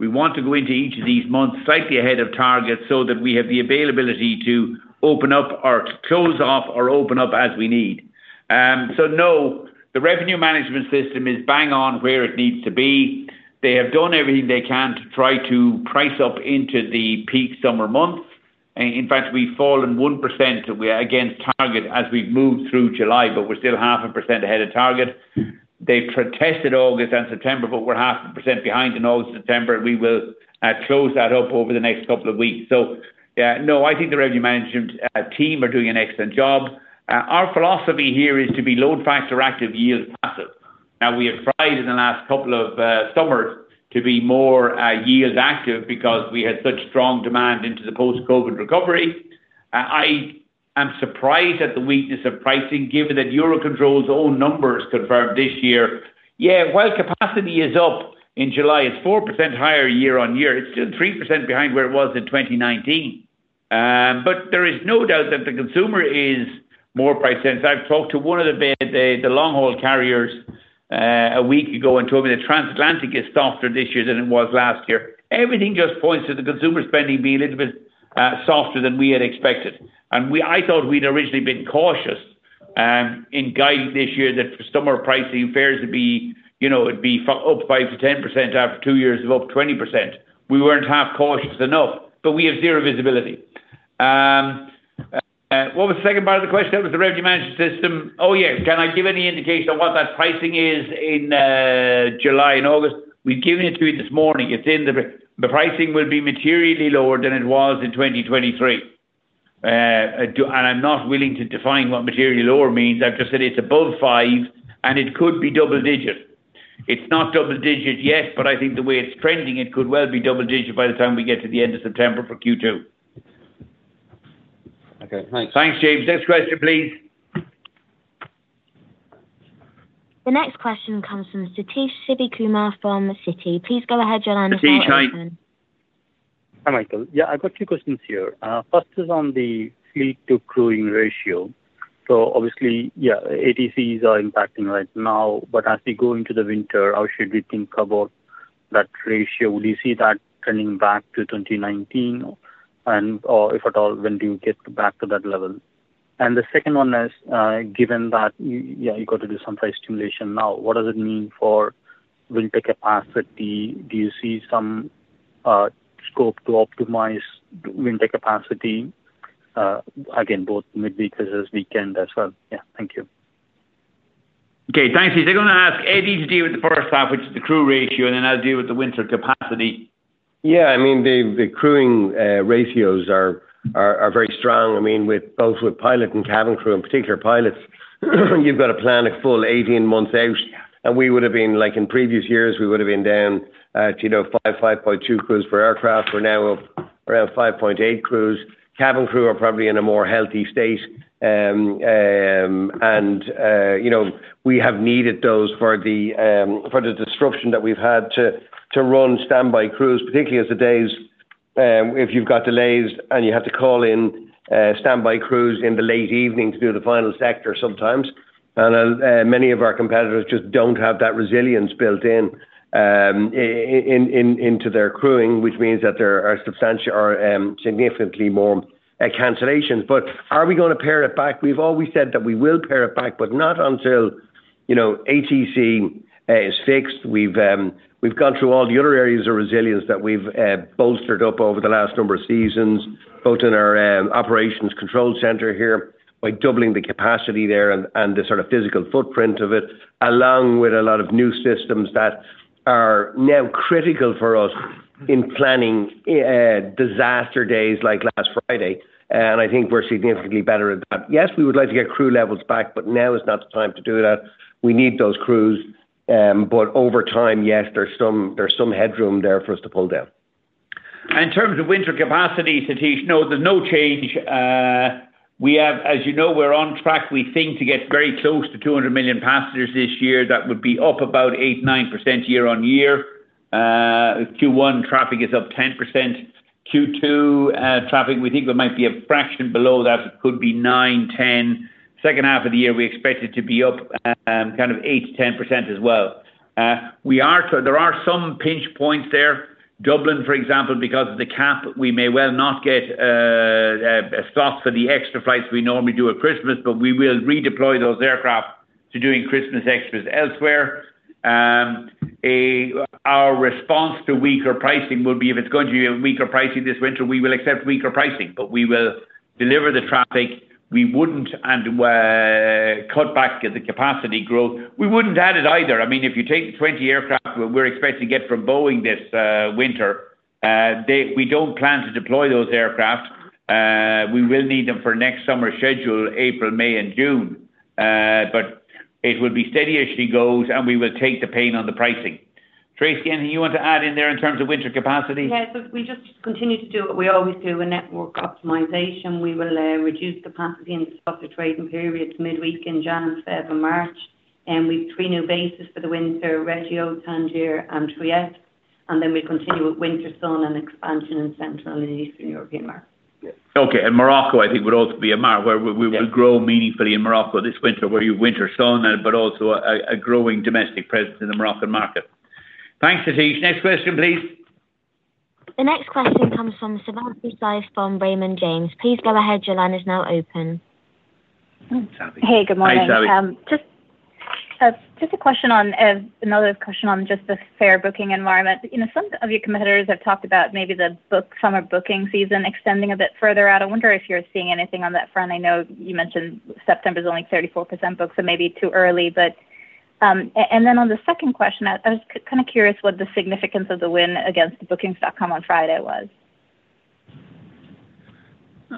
We want to go into each of these months slightly ahead of target so that we have the availability to open up or close off or open up as we need. So no, the revenue management system is bang on where it needs to be. They have done everything they can to try to price up into the peak summer months. In fact, we've fallen 1% against target as we've moved through July, but we're still 0.5% ahead of target. They've projected August and September, but we're 0.5% behind in August and September, and we will close that up over the next couple of weeks. So yeah, no, I think the revenue management team are doing an excellent job. Our philosophy here is to be load factor active, yield passive. Now, we have tried in the last couple of summers to be more yield active because we had such strong demand into the post-COVID recovery. I am surprised at the weakness of pricing, given that EUROCONTROL's own numbers confirmed this year. Yeah, while capacity is up in July, it's 4% higher year-over-year. It's still 3% behind where it was in 2019. But there is no doubt that the consumer is more priced in. I've talked to one of the long-haul carriers a week ago and told me that Transatlantic is softer this year than it was last year. Everything just points to the consumer spending being a little bit softer than we had expected. I thought we'd originally been cautious in guiding this year that for summer pricing, fares would be up 5%-10% after two years of up 20%. We weren't half cautious enough, but we have zero visibility. What was the second part of the question? That was the revenue management system. Oh yeah, can I give any indication on what that pricing is in July and August? We've given it to you this morning. The pricing will be materially lower than it was in 2023. And I'm not willing to define what materially lower means. I've just said it's above 5, and it could be double-digit. It's not double-digit yet, but I think the way it's trending, it could well be double-digit by the time we get to the end of September for Q2. Okay, thanks. Thanks, James. Next question, please. The next question comes from Sathish Sivakumar from Citi. Please go ahead, your line is now open. Sathish, hi. Hi, Michael. Yeah, I've got two questions here. First is on the seat-to-crewing ratio. So obviously, yeah, ATCs are impacting right now, but as we go into the winter, how should we think about that ratio? Would you see that trending back to 2019? And if at all, when do you get back to that level? And the second one is, given that, yeah, you've got to do some price stimulation now. What does it mean for winter capacity? Do you see some scope to optimize winter capacity? Again, both mid-week versus weekend as well. Yeah, thank you. Okay, thanks. He's going to ask Eddie to deal with the first half, which is the crew ratio, and then I'll deal with the winter capacity. Yeah, I mean, the crewing ratios are very strong. I mean, both with pilot and cabin crew, in particular pilots, you've got to plan a full 18 months out. And we would have been, like in previous years, we would have been down to 5, 5.2 crews per aircraft. We're now up around 5.8 crews. Cabin crew are probably in a more healthy state. And we have needed those for the disruption that we've had to run standby crews, particularly as the days, if you've got delays and you have to call in standby crews in the late evening to do the final sector sometimes. And many of our competitors just don't have that resilience built into their crewing, which means that there are significantly more cancellations. But are we going to pare it back? We've always said that we will pare it back, but not until ATC is fixed. We've gone through all the other areas of resilience that we've bolstered up over the last number of seasons, both in our operations control center here by doubling the capacity there and the sort of physical footprint of it, along with a lot of new systems that are now critical for us in planning disaster days like last Friday. I think we're significantly better at that. Yes, we would like to get crew levels back, but now is not the time to do that. We need those crews. But over time, yes, there's some headroom there for us to pull down. In terms of winter capacity, Satish, no, there's no change. As you know, we're on track. We think to get very close to 200 million passengers this year. That would be up about 8%-9% year-on-year. Q1 traffic is up 10%. Q2 traffic, we think there might be a fraction below that. It could be 9%-10%. Second half of the year, we expect it to be up kind of 8%-10% as well. There are some pinch points there. Dublin, for example, because of the cap, we may well not get slots for the extra flights we normally do at Christmas, but we will redeploy those aircraft to doing Christmas extras elsewhere. Our response to weaker pricing would be if it's going to be a weaker pricing this winter, we will accept weaker pricing, but we will deliver the traffic. We wouldn't cut back at the capacity growth. We wouldn't add it either. I mean, if you take the 20 aircraft we're expecting to get from Boeing this winter, we don't plan to deploy those aircraft. We will need them for next summer schedule, April, May, and June. But it will be steady as she goes, and we will take the pain on the pricing. Tracey, anything you want to add in there in terms of winter capacity? Yeah, so we just continue to do what we always do with network optimization. We will reduce capacity in the start of trading periods, mid-week in January, February, March. And we've three new bases for the winter, Reggio, Tangier, and Trieste. And then we'll continue with Winter Sun and expansion in Central and Eastern European markets. Okay. And Morocco, I think, would also be a mark. We will grow meaningfully in Morocco this winter, where you have Winter Sun, but also a growing domestic presence in the Moroccan market. Thanks, Satish. Next question, please. The next question comes from Savanthi Syth from Raymond James. Please go ahead. Your line is now open. Hey, good morning. Hi, Savi. Just a question on another question on just the fare booking environment. Some of your competitors have talked about maybe the summer booking season extending a bit further out. I wonder if you're seeing anything on that front. I know you mentioned September is only 34% booked, so maybe too early. And then on the second question, I was kind of curious what the significance of the win against Booking.com on Friday was?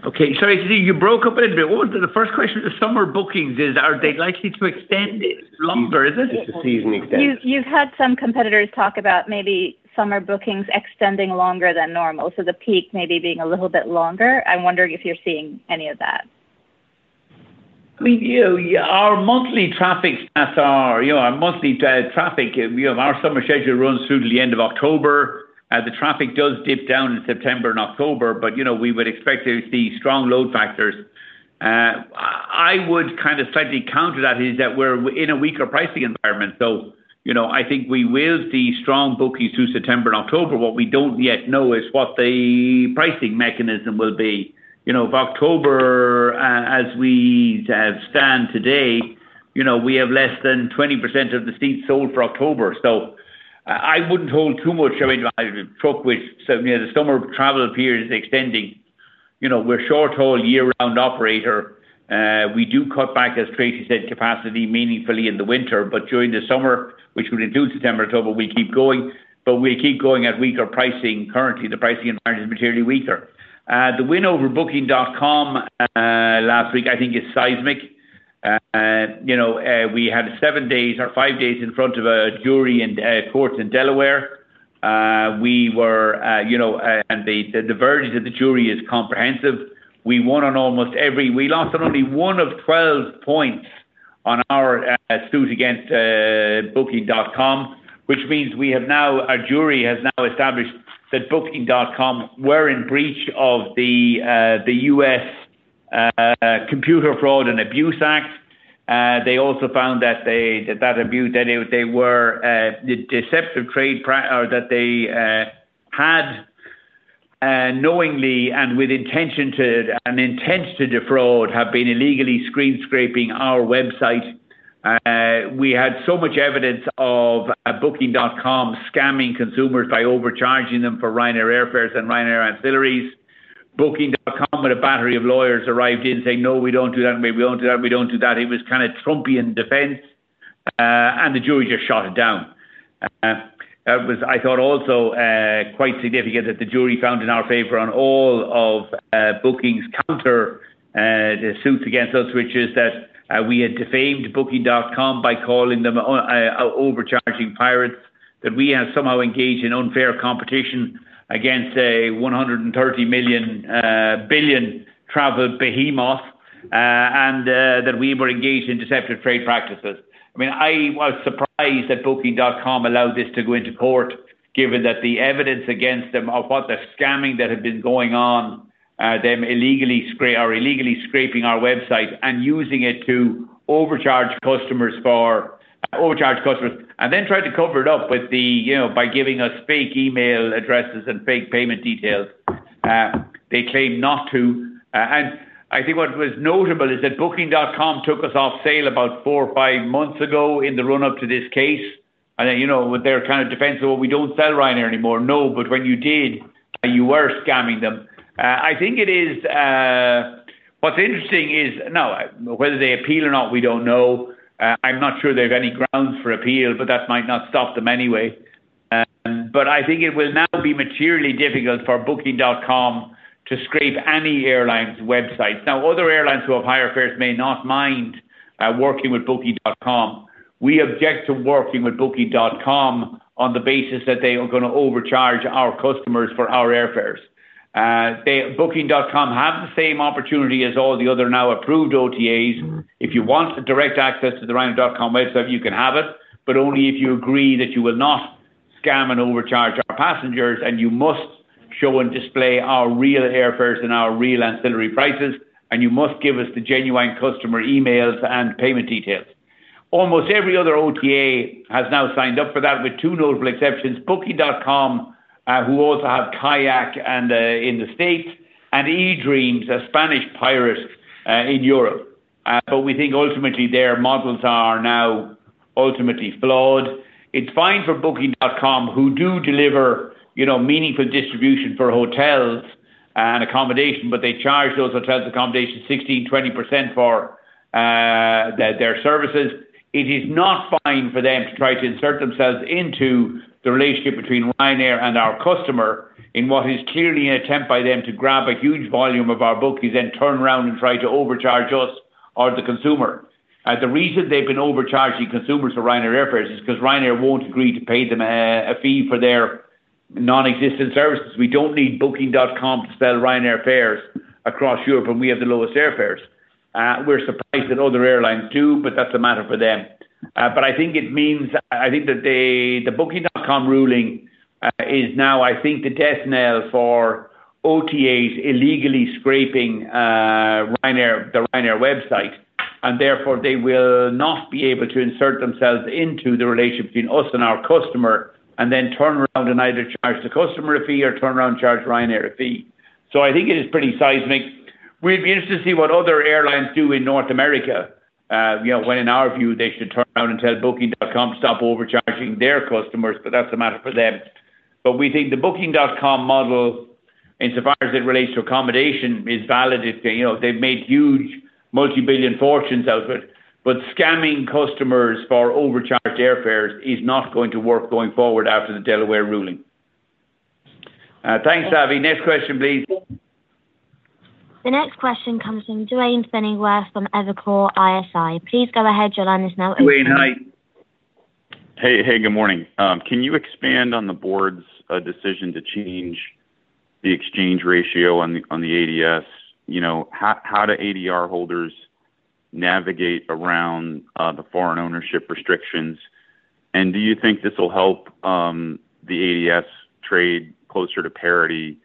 Okay. Sorry, you broke up a little bit. The first question is summer bookings. Are they likely to extend longer? Is it? It's a season extension. You've had some competitors talk about maybe summer bookings extending longer than normal, so the peak maybe being a little bit longer. I wonder if you're seeing any of that. I mean, our monthly traffic stats are our monthly traffic. Our summer schedule runs through the end of October. The traffic does dip down in September and October, but we would expect to see strong load factors. I would kind of slightly counter that is that we're in a weaker pricing environment. So I think we will see strong bookings through September and October. What we don't yet know is what the pricing mechanism will be. Of October, as we stand today, we have less than 20% of the seats sold for October. So I wouldn't uncertain with the summer travel periods extending. We're a short-haul year-round operator. We do cut back, as Tracy said, capacity meaningfully in the winter, but during the summer, which would include September and October, we keep going. But we keep going at weaker pricing. Currently, the pricing environment is materially weaker. The win over Booking.com last week, I think, is seismic. We had 7 days or 5 days in front of a jury in court in Delaware. We were at the verge of the jury is comprehensive. We won on almost every we lost on only one of 12 points on our suit against Booking.com, which means we have now our jury has now established that Booking.com were in breach of the U.S. Computer Fraud and Abuse Act. They also found that that abuse, they were deceptive trade or that they had knowingly and with intent to defraud have been illegally screen scraping our website. We had so much evidence of Booking.com scamming consumers by overcharging them for Ryanair airfares and Ryanair ancillaries. Booking.com with a battery of lawyers arrived in saying, "No, we don't do that. We don't do that. We don't do that." It was kind of Trumpian defense, and the jury just shot it down. I thought also quite significant that the jury found in our favor on all of Booking's countersuits against us, which is that we had defamed Booking.com by calling them overcharging pirates, that we have somehow engaged in unfair competition against a $130 billion travel behemoth, and that we were engaged in deceptive trade practices. I mean, I was surprised that Booking.com allowed this to go into court, given that the evidence against them of what the scamming that had been going on, them illegally scraping our website and using it to overcharge customers for overcharge customers, and then tried to cover it up by giving us fake email addresses and fake payment details. They claim not to. I think what was notable is that Booking.com took us off sale about four or five months ago in the run-up to this case. They're kind of defensive, "Well, we don't sell Ryanair anymore." No, but when you did, you were scamming them. I think it is what's interesting is now, whether they appeal or not, we don't know. I'm not sure there's any grounds for appeal, but that might not stop them anyway. But I think it will now be materially difficult for Booking.com to scrape any airline's websites. Now, other airlines who have higher fares may not mind working with Booking.com. We object to working with Booking.com on the basis that they are going to overcharge our customers for our airfares. Booking.com has the same opportunity as all the other now approved OTAs. If you want direct access to the Ryanair.com website, you can have it, but only if you agree that you will not scam and overcharge our passengers, and you must show and display our real airfares and our real ancillary prices, and you must give us the genuine customer emails and payment details. Almost every other OTA has now signed up for that with two notable exceptions, Booking.com, who also have Kayak in the States, and eDreams, a Spanish pirate in Europe. But we think ultimately their models are now ultimately flawed. It's fine for Booking.com, who do deliver meaningful distribution for hotels and accommodation, but they charge those hotels accommodation 16%-20% for their services. It is not fine for them to try to insert themselves into the relationship between Ryanair and our customer in what is clearly an attempt by them to grab a huge volume of our bookings and turn around and try to overcharge us or the consumer. The reason they've been overcharging consumers for Ryanair airfares is because Ryanair won't agree to pay them a fee for their non-existent services. We don't need Booking.com to sell Ryanair fares across Europe, and we have the lowest airfares. We're surprised that other airlines do, but that's a matter for them. But I think it means I think that the Booking.com ruling is now, I think, the death knell for OTAs illegally scraping the Ryanair website. And therefore, they will not be able to insert themselves into the relationship between us and our customer and then turn around and either charge the customer a fee or turn around and charge Ryanair a fee. So I think it is pretty seismic. We'd be interested to see what other airlines do in North America when, in our view, they should turn around and tell Booking.com to stop overcharging their customers, but that's a matter for them. But we think the Booking.com model insofar as it relates to accommodation is valid. They've made huge multi-billion fortunes out of it. But scamming customers for overcharged airfares is not going to work going forward after the Delaware ruling. Thanks, Savi. Next question, please. The next question comes from Duane Pfennigwerth from Evercore ISI. Please go ahead. Your line is now open. Dwayne, hi. Hey, good morning. Can you expand on the board's decision to change the exchange ratio on the ADS? How do ADR holders navigate around the foreign ownership restrictions? And do you think this will help the ADS trade closer to parity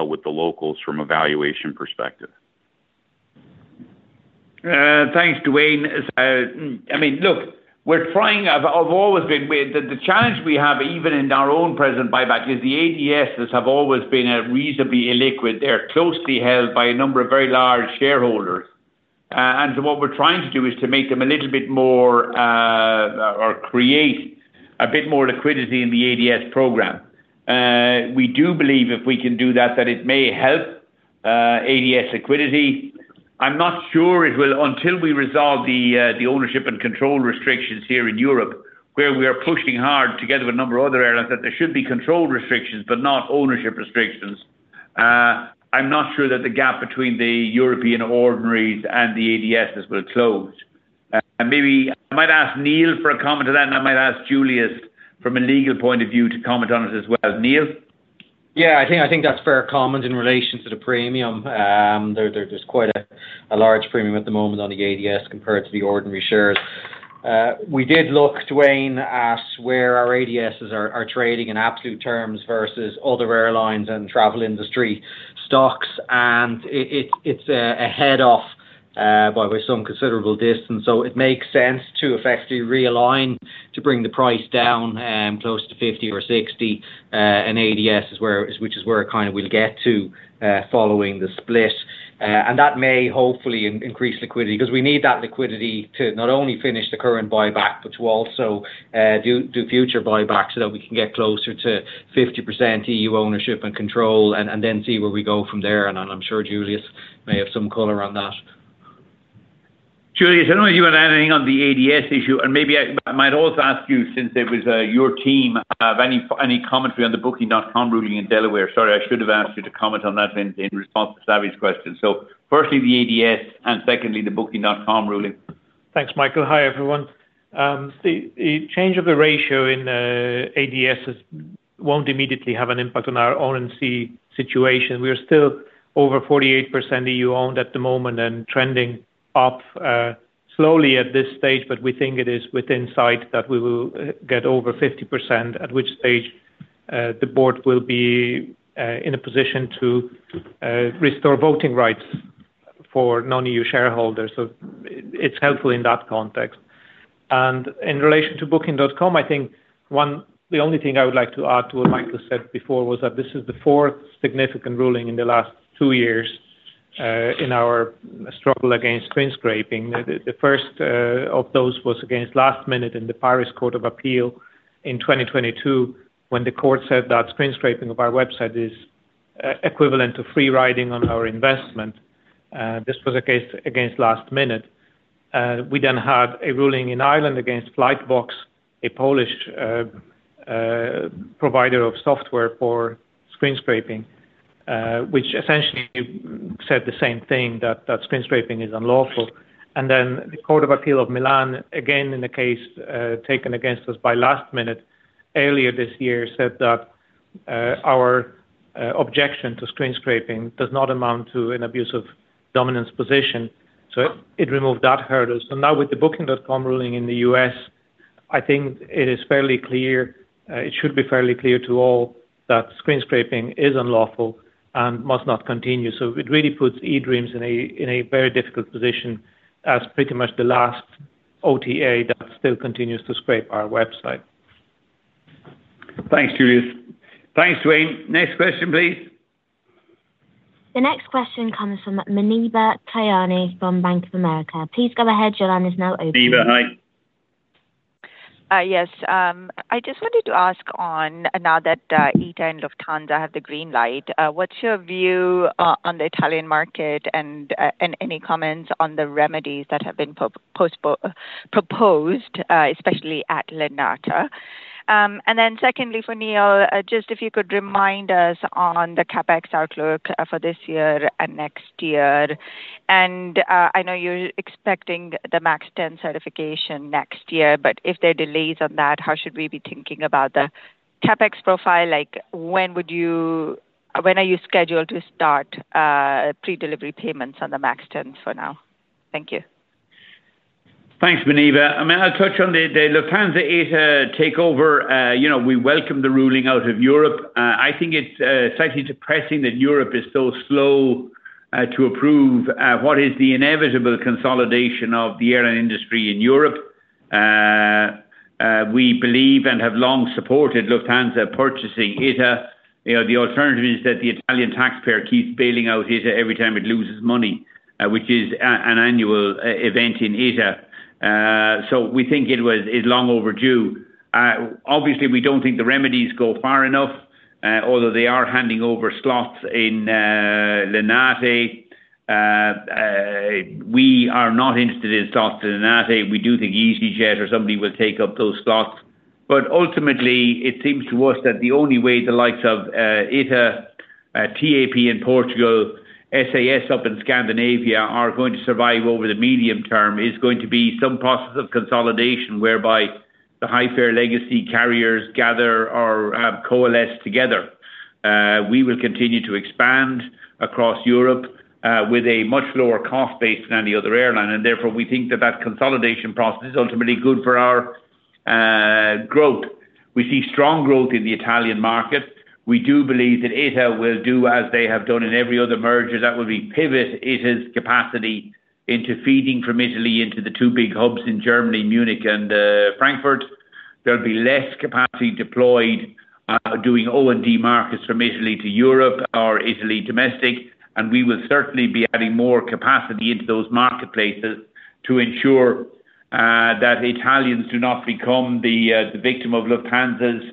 with the locals from a valuation perspective? Thanks, Duane. I mean, look, we're trying. I've always been the challenge we have, even in our own present buyback, is the ADSs have always been reasonably illiquid. They're closely held by a number of very large shareholders. And so what we're trying to do is to make them a little bit more or create a bit more liquidity in the ADS program. We do believe if we can do that, that it may help ADS liquidity. I'm not sure it will until we resolve the ownership and control restrictions here in Europe, where we are pushing hard together with a number of other airlines that there should be control restrictions but not ownership restrictions. I'm not sure that the gap between the European ordinaries and the ADSs will close. Maybe I might ask Neil for a comment on that, and I might ask Juliusz from a legal point of view to comment on it as well. Neil? Yeah, I think that's fair comment in relation to the premium. There's quite a large premium at the moment on the ADS compared to the ordinary shares. We did look, Duane, at where our ADSs are trading in absolute terms versus other airlines and travel industry stocks, and it's ahead of by some considerable distance. So it makes sense to effectively realign to bring the price down close to 50 or 60, an ADS, which is where kind of we'll get to following the split. And that may hopefully increase liquidity because we need that liquidity to not only finish the current buyback, but to also do future buybacks so that we can get closer to 50% EU ownership and control and then see where we go from there. And I'm sure Julius may have some color on that. Julius, I don't know if you want to add anything on the ADS issue. Maybe I might also ask you, since it was your team, have any commentary on the Booking.com ruling in Delaware? Sorry, I should have asked you to comment on that in response to Savi's question. Firstly, the ADS, and secondly, the Booking.com ruling. Thanks, Michael. Hi, everyone. The change of the ratio in ADSs won't immediately have an impact on our ownership and control situation. We are still over 48% EU owned at the moment and trending up slowly at this stage, but we think it is within sight that we will get over 50%, at which stage the board will be in a position to restore voting rights for non-EU shareholders. So it's helpful in that context. And in relation to Booking.com, I think the only thing I would like to add to what Michael said before was that this is the fourth significant ruling in the last two years in our struggle against screen scraping. The first of those was against lastminute.com in the Paris Court of Appeal in 2022 when the court said that screen scraping of our website is equivalent to free riding on our investment. This was a case against lastminute.com. We then had a ruling in Ireland against Flightbox, a Polish provider of software for screen scraping, which essentially said the same thing, that screen scraping is unlawful. Then the Court of Appeal of Milan, again in the case taken against us by lastminute.com earlier this year, said that our objection to screen scraping does not amount to an abuse of dominance position. It removed that hurdle. Now with the Booking.com ruling in the U.S., I think it is fairly clear it should be fairly clear to all that screen scraping is unlawful and must not continue. It really puts eDreams in a very difficult position as pretty much the last OTA that still continues to scrape our website. Thanks, Julius. Thanks, Duane. Next question, please. The next question comes from Muneeba Kayani from Bank of America. Please go ahead. Your line is now open. Muneeba, hi. Yes. I just wanted to ask on now that ITA and Lufthansa have the green light, what's your view on the Italian market and any comments on the remedies that have been proposed, especially at Linate? And then secondly, for Neil, just if you could remind us on the CapEx outlook for this year and next year. And I know you're expecting the MAX 10 certification next year, but if there are delays on that, how should we be thinking about the CapEx profile? When are you scheduled to start pre-delivery payments on the MAX 10 for now? Thank you. Thanks, Maxine. I mean, I'll touch on the Lufthansa ITA takeover. We welcome the ruling out of Europe. I think it's slightly depressing that Europe is so slow to approve what is the inevitable consolidation of the airline industry in Europe. We believe and have long supported Lufthansa purchasing ITA. The alternative is that the Italian taxpayer keeps bailing out ITA every time it loses money, which is an annual event in ITA. So we think it is long overdue. Obviously, we don't think the remedies go far enough, although they are handing over slots in Linate. We are not interested in slots in Linate. We do think easyJet or somebody will take up those slots. Ultimately, it seems to us that the only way the likes of ITA, TAP in Portugal, SAS up in Scandinavia are going to survive over the medium term is going to be some process of consolidation whereby the high-fare legacy carriers gather or coalesce together. We will continue to expand across Europe with a much lower cost base than any other airline. And therefore, we think that that consolidation process is ultimately good for our growth. We see strong growth in the Italian market. We do believe that ITA will do as they have done in every other merger that will pivot ITA's capacity into feeding from Italy into the two big hubs in Germany, Munich and Frankfurt. There'll be less capacity deployed doing O&D markets from Italy to Europe or Italy domestic. We will certainly be adding more capacity into those marketplaces to ensure that Italians do not become the victim of Lufthansa's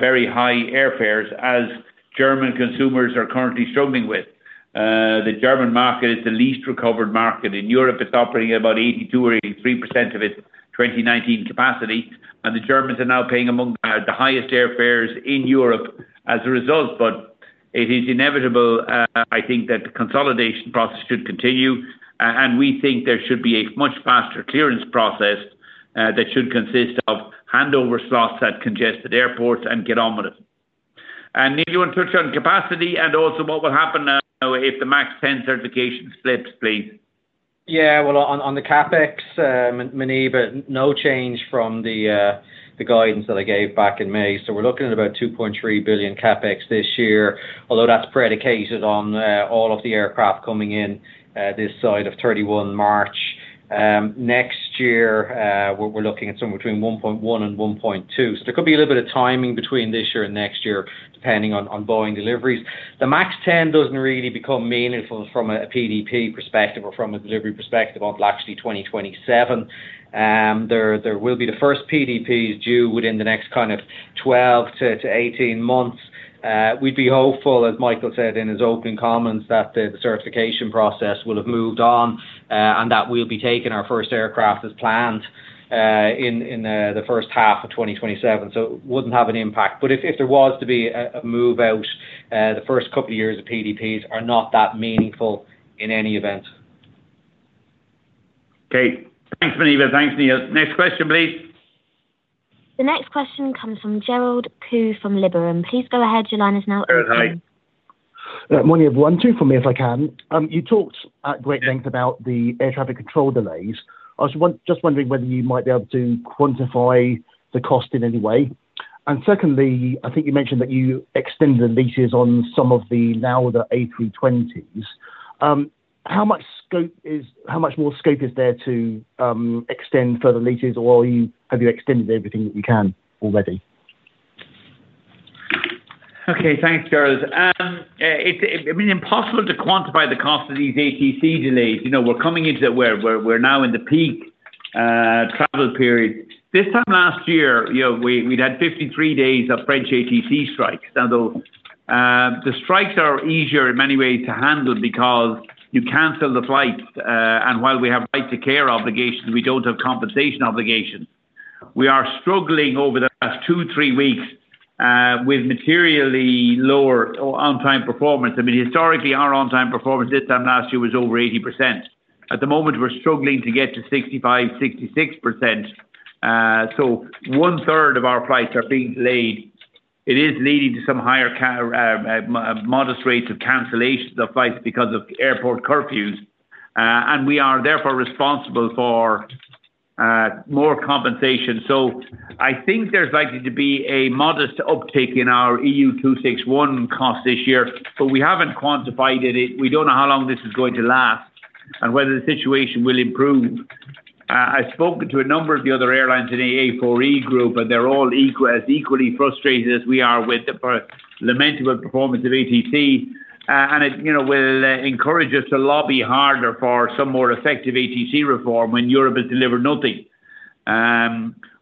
very high airfares, as German consumers are currently struggling with. The German market is the least recovered market in Europe. It's operating at about 82% or 83% of its 2019 capacity. And the Germans are now paying among the highest airfares in Europe as a result. But it is inevitable, I think, that the consolidation process should continue. And we think there should be a much faster clearance process that should consist of handover slots at congested airports and get on with it. And do you want to touch on capacity and also what will happen if the MAX 10 certification slips, please? Yeah. Well, on the CapEx, Manjiva, no change from the guidance that I gave back in May. So we're looking at about 2.3 billion CapEx this year, although that's predicated on all of the aircraft coming in this side of 31 March. Next year, we're looking at somewhere between 1.1 billion and 1.2 billion. So there could be a little bit of timing between this year and next year, depending on Boeing deliveries. The MAX 10 doesn't really become meaningful from a PDP perspective or from a delivery perspective until actually 2027. There will be the first PDPs due within the next kind of 12 to 18 months. We'd be hopeful, as Michael said in his opening comments, that the certification process will have moved on and that we'll be taking our first aircraft as planned in the first half of 2027. So it wouldn't have an impact. But if there was to be a move out, the first couple of years of PDPs are not that meaningful in any event. Okay. Thanks, Maxine. Thanks, Neil. Next question, please. The next question comes from Gerald Khoo from Liberum. Please go ahead. Your line is now open. Gerald, hi. One, I've wanted to ask you if I can. You talked at great length about the air traffic control delays. I was just wondering whether you might be able to quantify the cost in any way. And secondly, I think you mentioned that you extended the leases on some of the A320s. How much more scope is there to extend further leases, or have you extended everything that you can already? Okay. Thanks, Gerald. I mean, impossible to quantify the cost of these ATC delays. We're coming into it. We're now in the peak travel period. This time last year, we'd had 53 days of French ATC strikes. Now, the strikes are easier in many ways to handle because you cancel the flights. And while we have right to care obligations, we don't have compensation obligations. We are struggling over the last 2, 3 weeks with materially lower on-time performance. I mean, historically, our on-time performance this time last year was over 80%. At the moment, we're struggling to get to 65, 66%. So one-third of our flights are being delayed. It is leading to some higher modest rates of cancellation of flights because of airport curfews. And we are therefore responsible for more compensation. So I think there's likely to be a modest uptick in our EU 261 cost this year, but we haven't quantified it. We don't know how long this is going to last and whether the situation will improve. I've spoken to a number of the other airlines in the A4E group, and they're all as equally frustrated as we are with the lamentable performance of ATC. And it will encourage us to lobby harder for some more effective ATC reform when Europe has delivered nothing.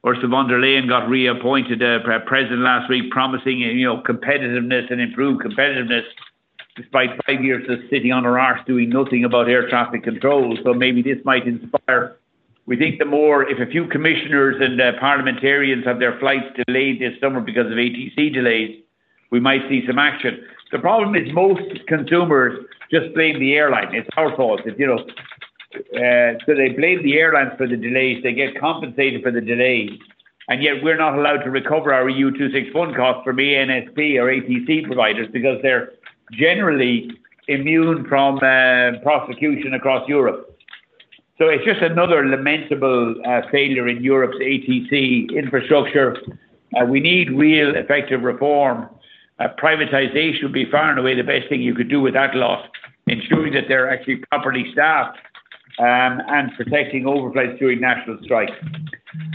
Or Ursula von der Leyen got reappointed president last week, promising competitiveness and improved competitiveness despite five years of sitting on our arse doing nothing about air traffic control. So maybe this might inspire. We think if more commissioners and parliamentarians have their flights delayed this summer because of ATC delays, we might see some action. The problem is most consumers just blame the airline. It's our fault. So they blame the airlines for the delays. They get compensated for the delays. And yet we're not allowed to recover our EU 261 costs from ANSP or ATC providers because they're generally immune from prosecution across Europe. So it's just another lamentable failure in Europe's ATC infrastructure. We need real effective reform. Privatization would be far and away the best thing you could do with that lot, ensuring that they're actually properly staffed and protecting overflights during national strikes.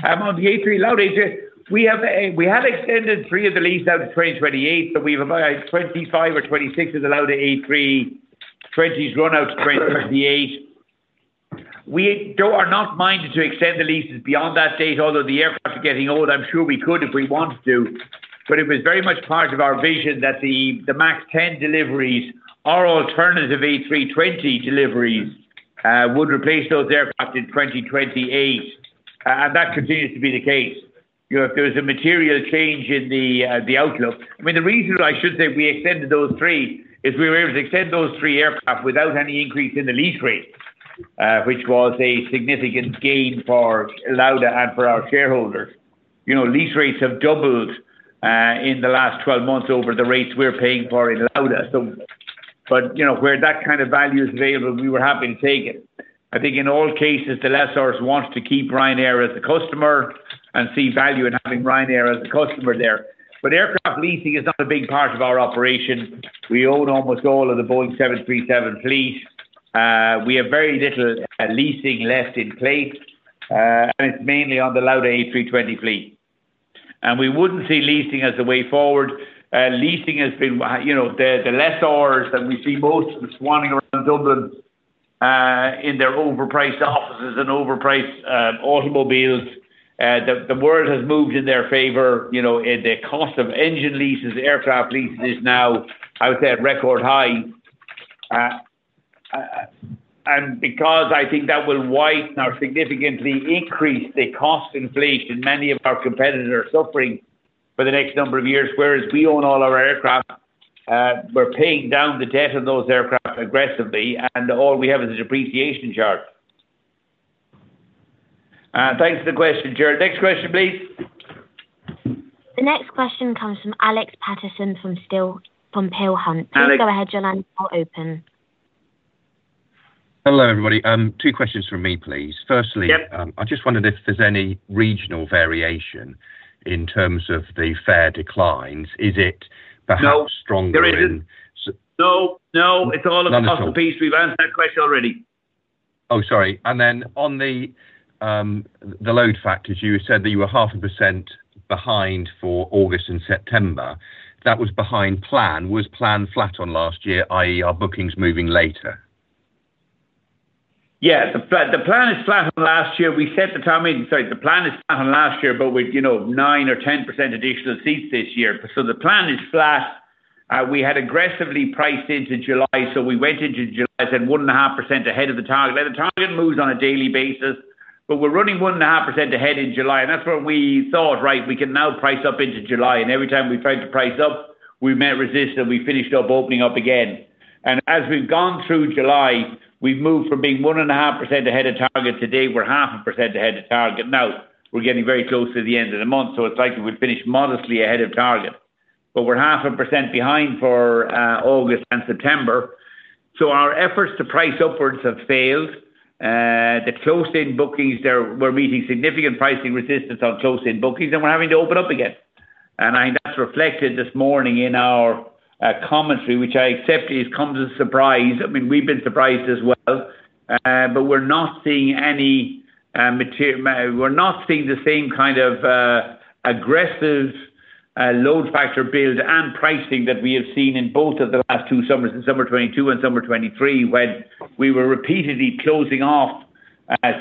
On the Lauda, we have extended 3 of the leases out to 2028, but we have about 25 or 26 that are Lauda A320s run out to 2028. We are not minded to extend the leases beyond that date, although the aircraft are getting old. I'm sure we could if we wanted to. But it was very much part of our vision that the MAX 10 deliveries, our alternative A320 deliveries, would replace those aircraft in 2028. And that continues to be the case. If there was a material change in the outlook. I mean, the reason why I should say we extended those three is we were able to extend those three aircraft without any increase in the lease rate, which was a significant gain for Lauda and for our shareholders. Lease rates have doubled in the last 12 months over the rates we're paying for in Lauda. But where that kind of value is available, we were happy to take it. I think in all cases, the lessors want to keep Ryanair as the customer and see value in having Ryanair as the customer there. But aircraft leasing is not a big part of our operation. We own almost all of the Boeing 737 fleets. We have very little leasing left in place, and it's mainly on the Lauda A320 fleet. We wouldn't see leasing as the way forward. Leasing has been the lessors that we see most swarming around Dublin in their overpriced offices and overpriced automobiles. The world has moved in their favor. The cost of engine leases, aircraft leases is now, I would say, at record high. Because I think that will widen or significantly increase the cost inflation, many of our competitors are suffering for the next number of years, whereas we own all our aircraft. We're paying down the debt of those aircraft aggressively, and all we have is a depreciation chart. Thanks for the question, Gerald. Next question, please. The next question comes from Alex Paterson from Peel Hunt. Please go ahead, Gerald. You're open. Hello, everybody. 2 questions from me, please. Firstly, I just wondered if there's any regional variation in terms of the fare declines. Is it perhaps stronger? No. No, it's all a personal piece. We've answered that question already. Oh, sorry. And then on the load factors, you said that you were 0.5% behind for August and September. That was behind plan. Was plan flat on last year, i.e., are bookings moving later? Yes. The plan is flat on last year. We set the target, sorry, the plan is flat on last year, but with 9% or 10% additional seats this year. So the plan is flat. We had aggressively priced into July, so we went into July and said 1.5% ahead of the target. The target moves on a daily basis, but we're running 1.5% ahead in July. And that's what we thought, right? We can now price up into July. And every time we tried to price up, we met resistance, and we finished up opening up again. And as we've gone through July, we've moved from being 1.5% ahead of target to being 0.5% ahead of target. Now, we're getting very close to the end of the month, so it's likely we'll finish modestly ahead of target. But we're 0.5% behind for August and September. So our efforts to price upwards have failed. The close-in bookings, we're meeting significant pricing resistance on close-in bookings, and we're having to open up again. And I think that's reflected this morning in our commentary, which I accept comes as a surprise. I mean, we've been surprised as well, but we're not seeing any—we're not seeing the same kind of aggressive load factor build and pricing that we have seen in both of the last two summers, in summer 2022 and summer 2023, when we were repeatedly closing off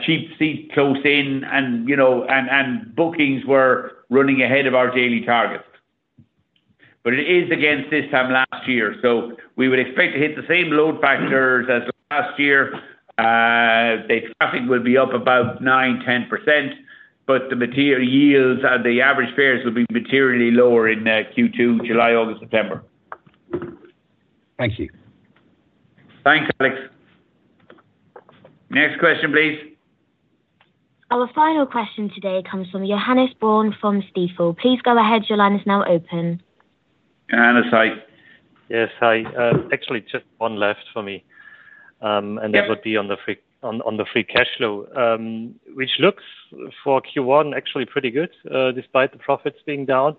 cheap seats close in and bookings were running ahead of our daily target. But it is against this time last year. So we would expect to hit the same load factors as last year. The traffic will be up about 9%-10%, but the yields and the average fares will be materially lower in Q2, July, August, September. Thank you. Thanks, Alex. Next question, please. Our final question today comes from Johannes Braun from Stifel. Please go ahead. Your line is now open. Johannes, hi. Yes, hi. Actually, just one left for me. And that would be on the free cash flow, which looks for Q1 actually pretty good despite the profits being down.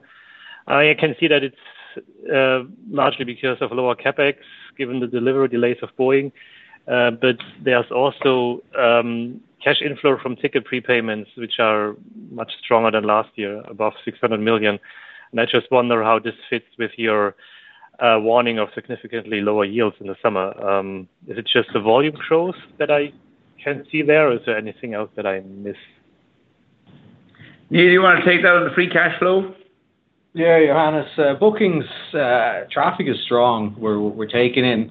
I can see that it's largely because of lower CapEx given the delivery delays of Boeing. But there's also cash inflow from ticket prepayments, which are much stronger than last year, above 600 million. And I just wonder how this fits with your warning of significantly lower yields in the summer. Is it just the volume growth that I can see there, or is there anything else that I miss? Neil, do you want to take that on the free cash flow? Yeah, Johannes. Bookings traffic is strong. We're taking in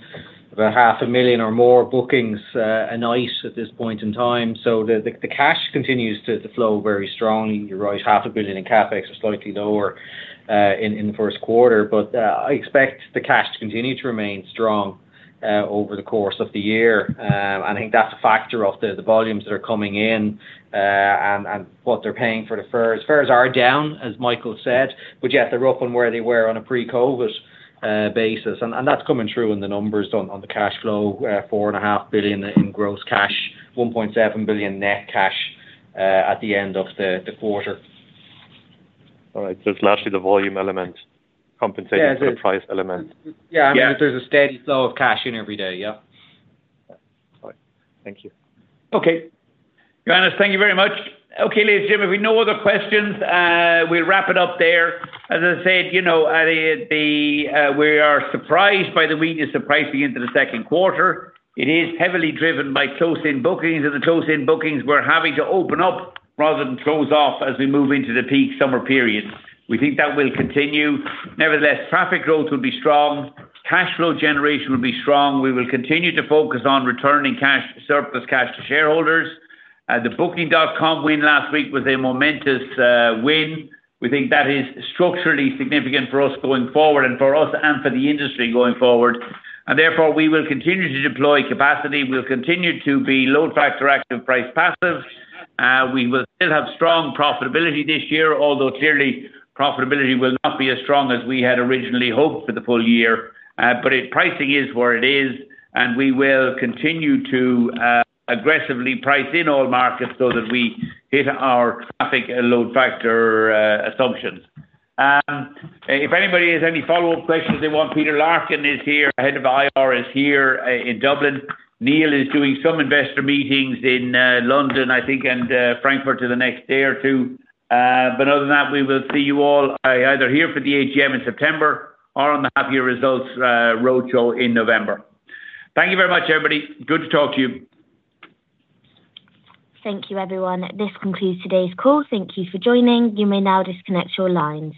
about 500,000 or more bookings a night at this point in time. So the cash continues to flow very strongly. You're right, 500 million in CapEx was slightly lower in the first quarter. But I expect the cash to continue to remain strong over the course of the year. And I think that's a factor of the volumes that are coming in and what they're paying for the fares. Fares are down, as Michael said, but yet they're up on where they were on a pre-COVID basis. And that's coming through in the numbers on the cash flow, 4.5 billion in gross cash, 1.7 billion net cash at the end of the quarter. All right. It's largely the volume element compensated for price element. Yeah. I mean, there's a steady flow of cash in every day. Yeah. All right. Thank you. Okay. Johannes, thank you very much. Okay, ladies and gentlemen, if we have no other questions, we'll wrap it up there. As I said, we are surprised by the weakness of pricing into the second quarter. It is heavily driven by close-in bookings. The close-in bookings, we're having to open up rather than close off as we move into the peak summer period. We think that will continue. Nevertheless, traffic growth will be strong. Cash flow generation will be strong. We will continue to focus on returning surplus cash to shareholders. The Booking.com win last week was a momentous win. We think that is structurally significant for us going forward and for us and for the industry going forward. Therefore, we will continue to deploy capacity. We'll continue to be load factor active price passive. We will still have strong profitability this year, although clearly profitability will not be as strong as we had originally hoped for the full year. But pricing is where it is, and we will continue to aggressively price in all markets so that we hit our traffic load factor assumptions. If anybody has any follow-up questions they want, Peter Larkin is here. Head of IR is here in Dublin. Neil is doing some investor meetings in London, I think, and Frankfurt in the next day or two. But other than that, we will see you all either here for the AGM in September or on the half-year results roadshow in November. Thank you very much, everybody. Good to talk to you. Thank you, everyone. This concludes today's call. Thank you for joining. You may now disconnect your lines.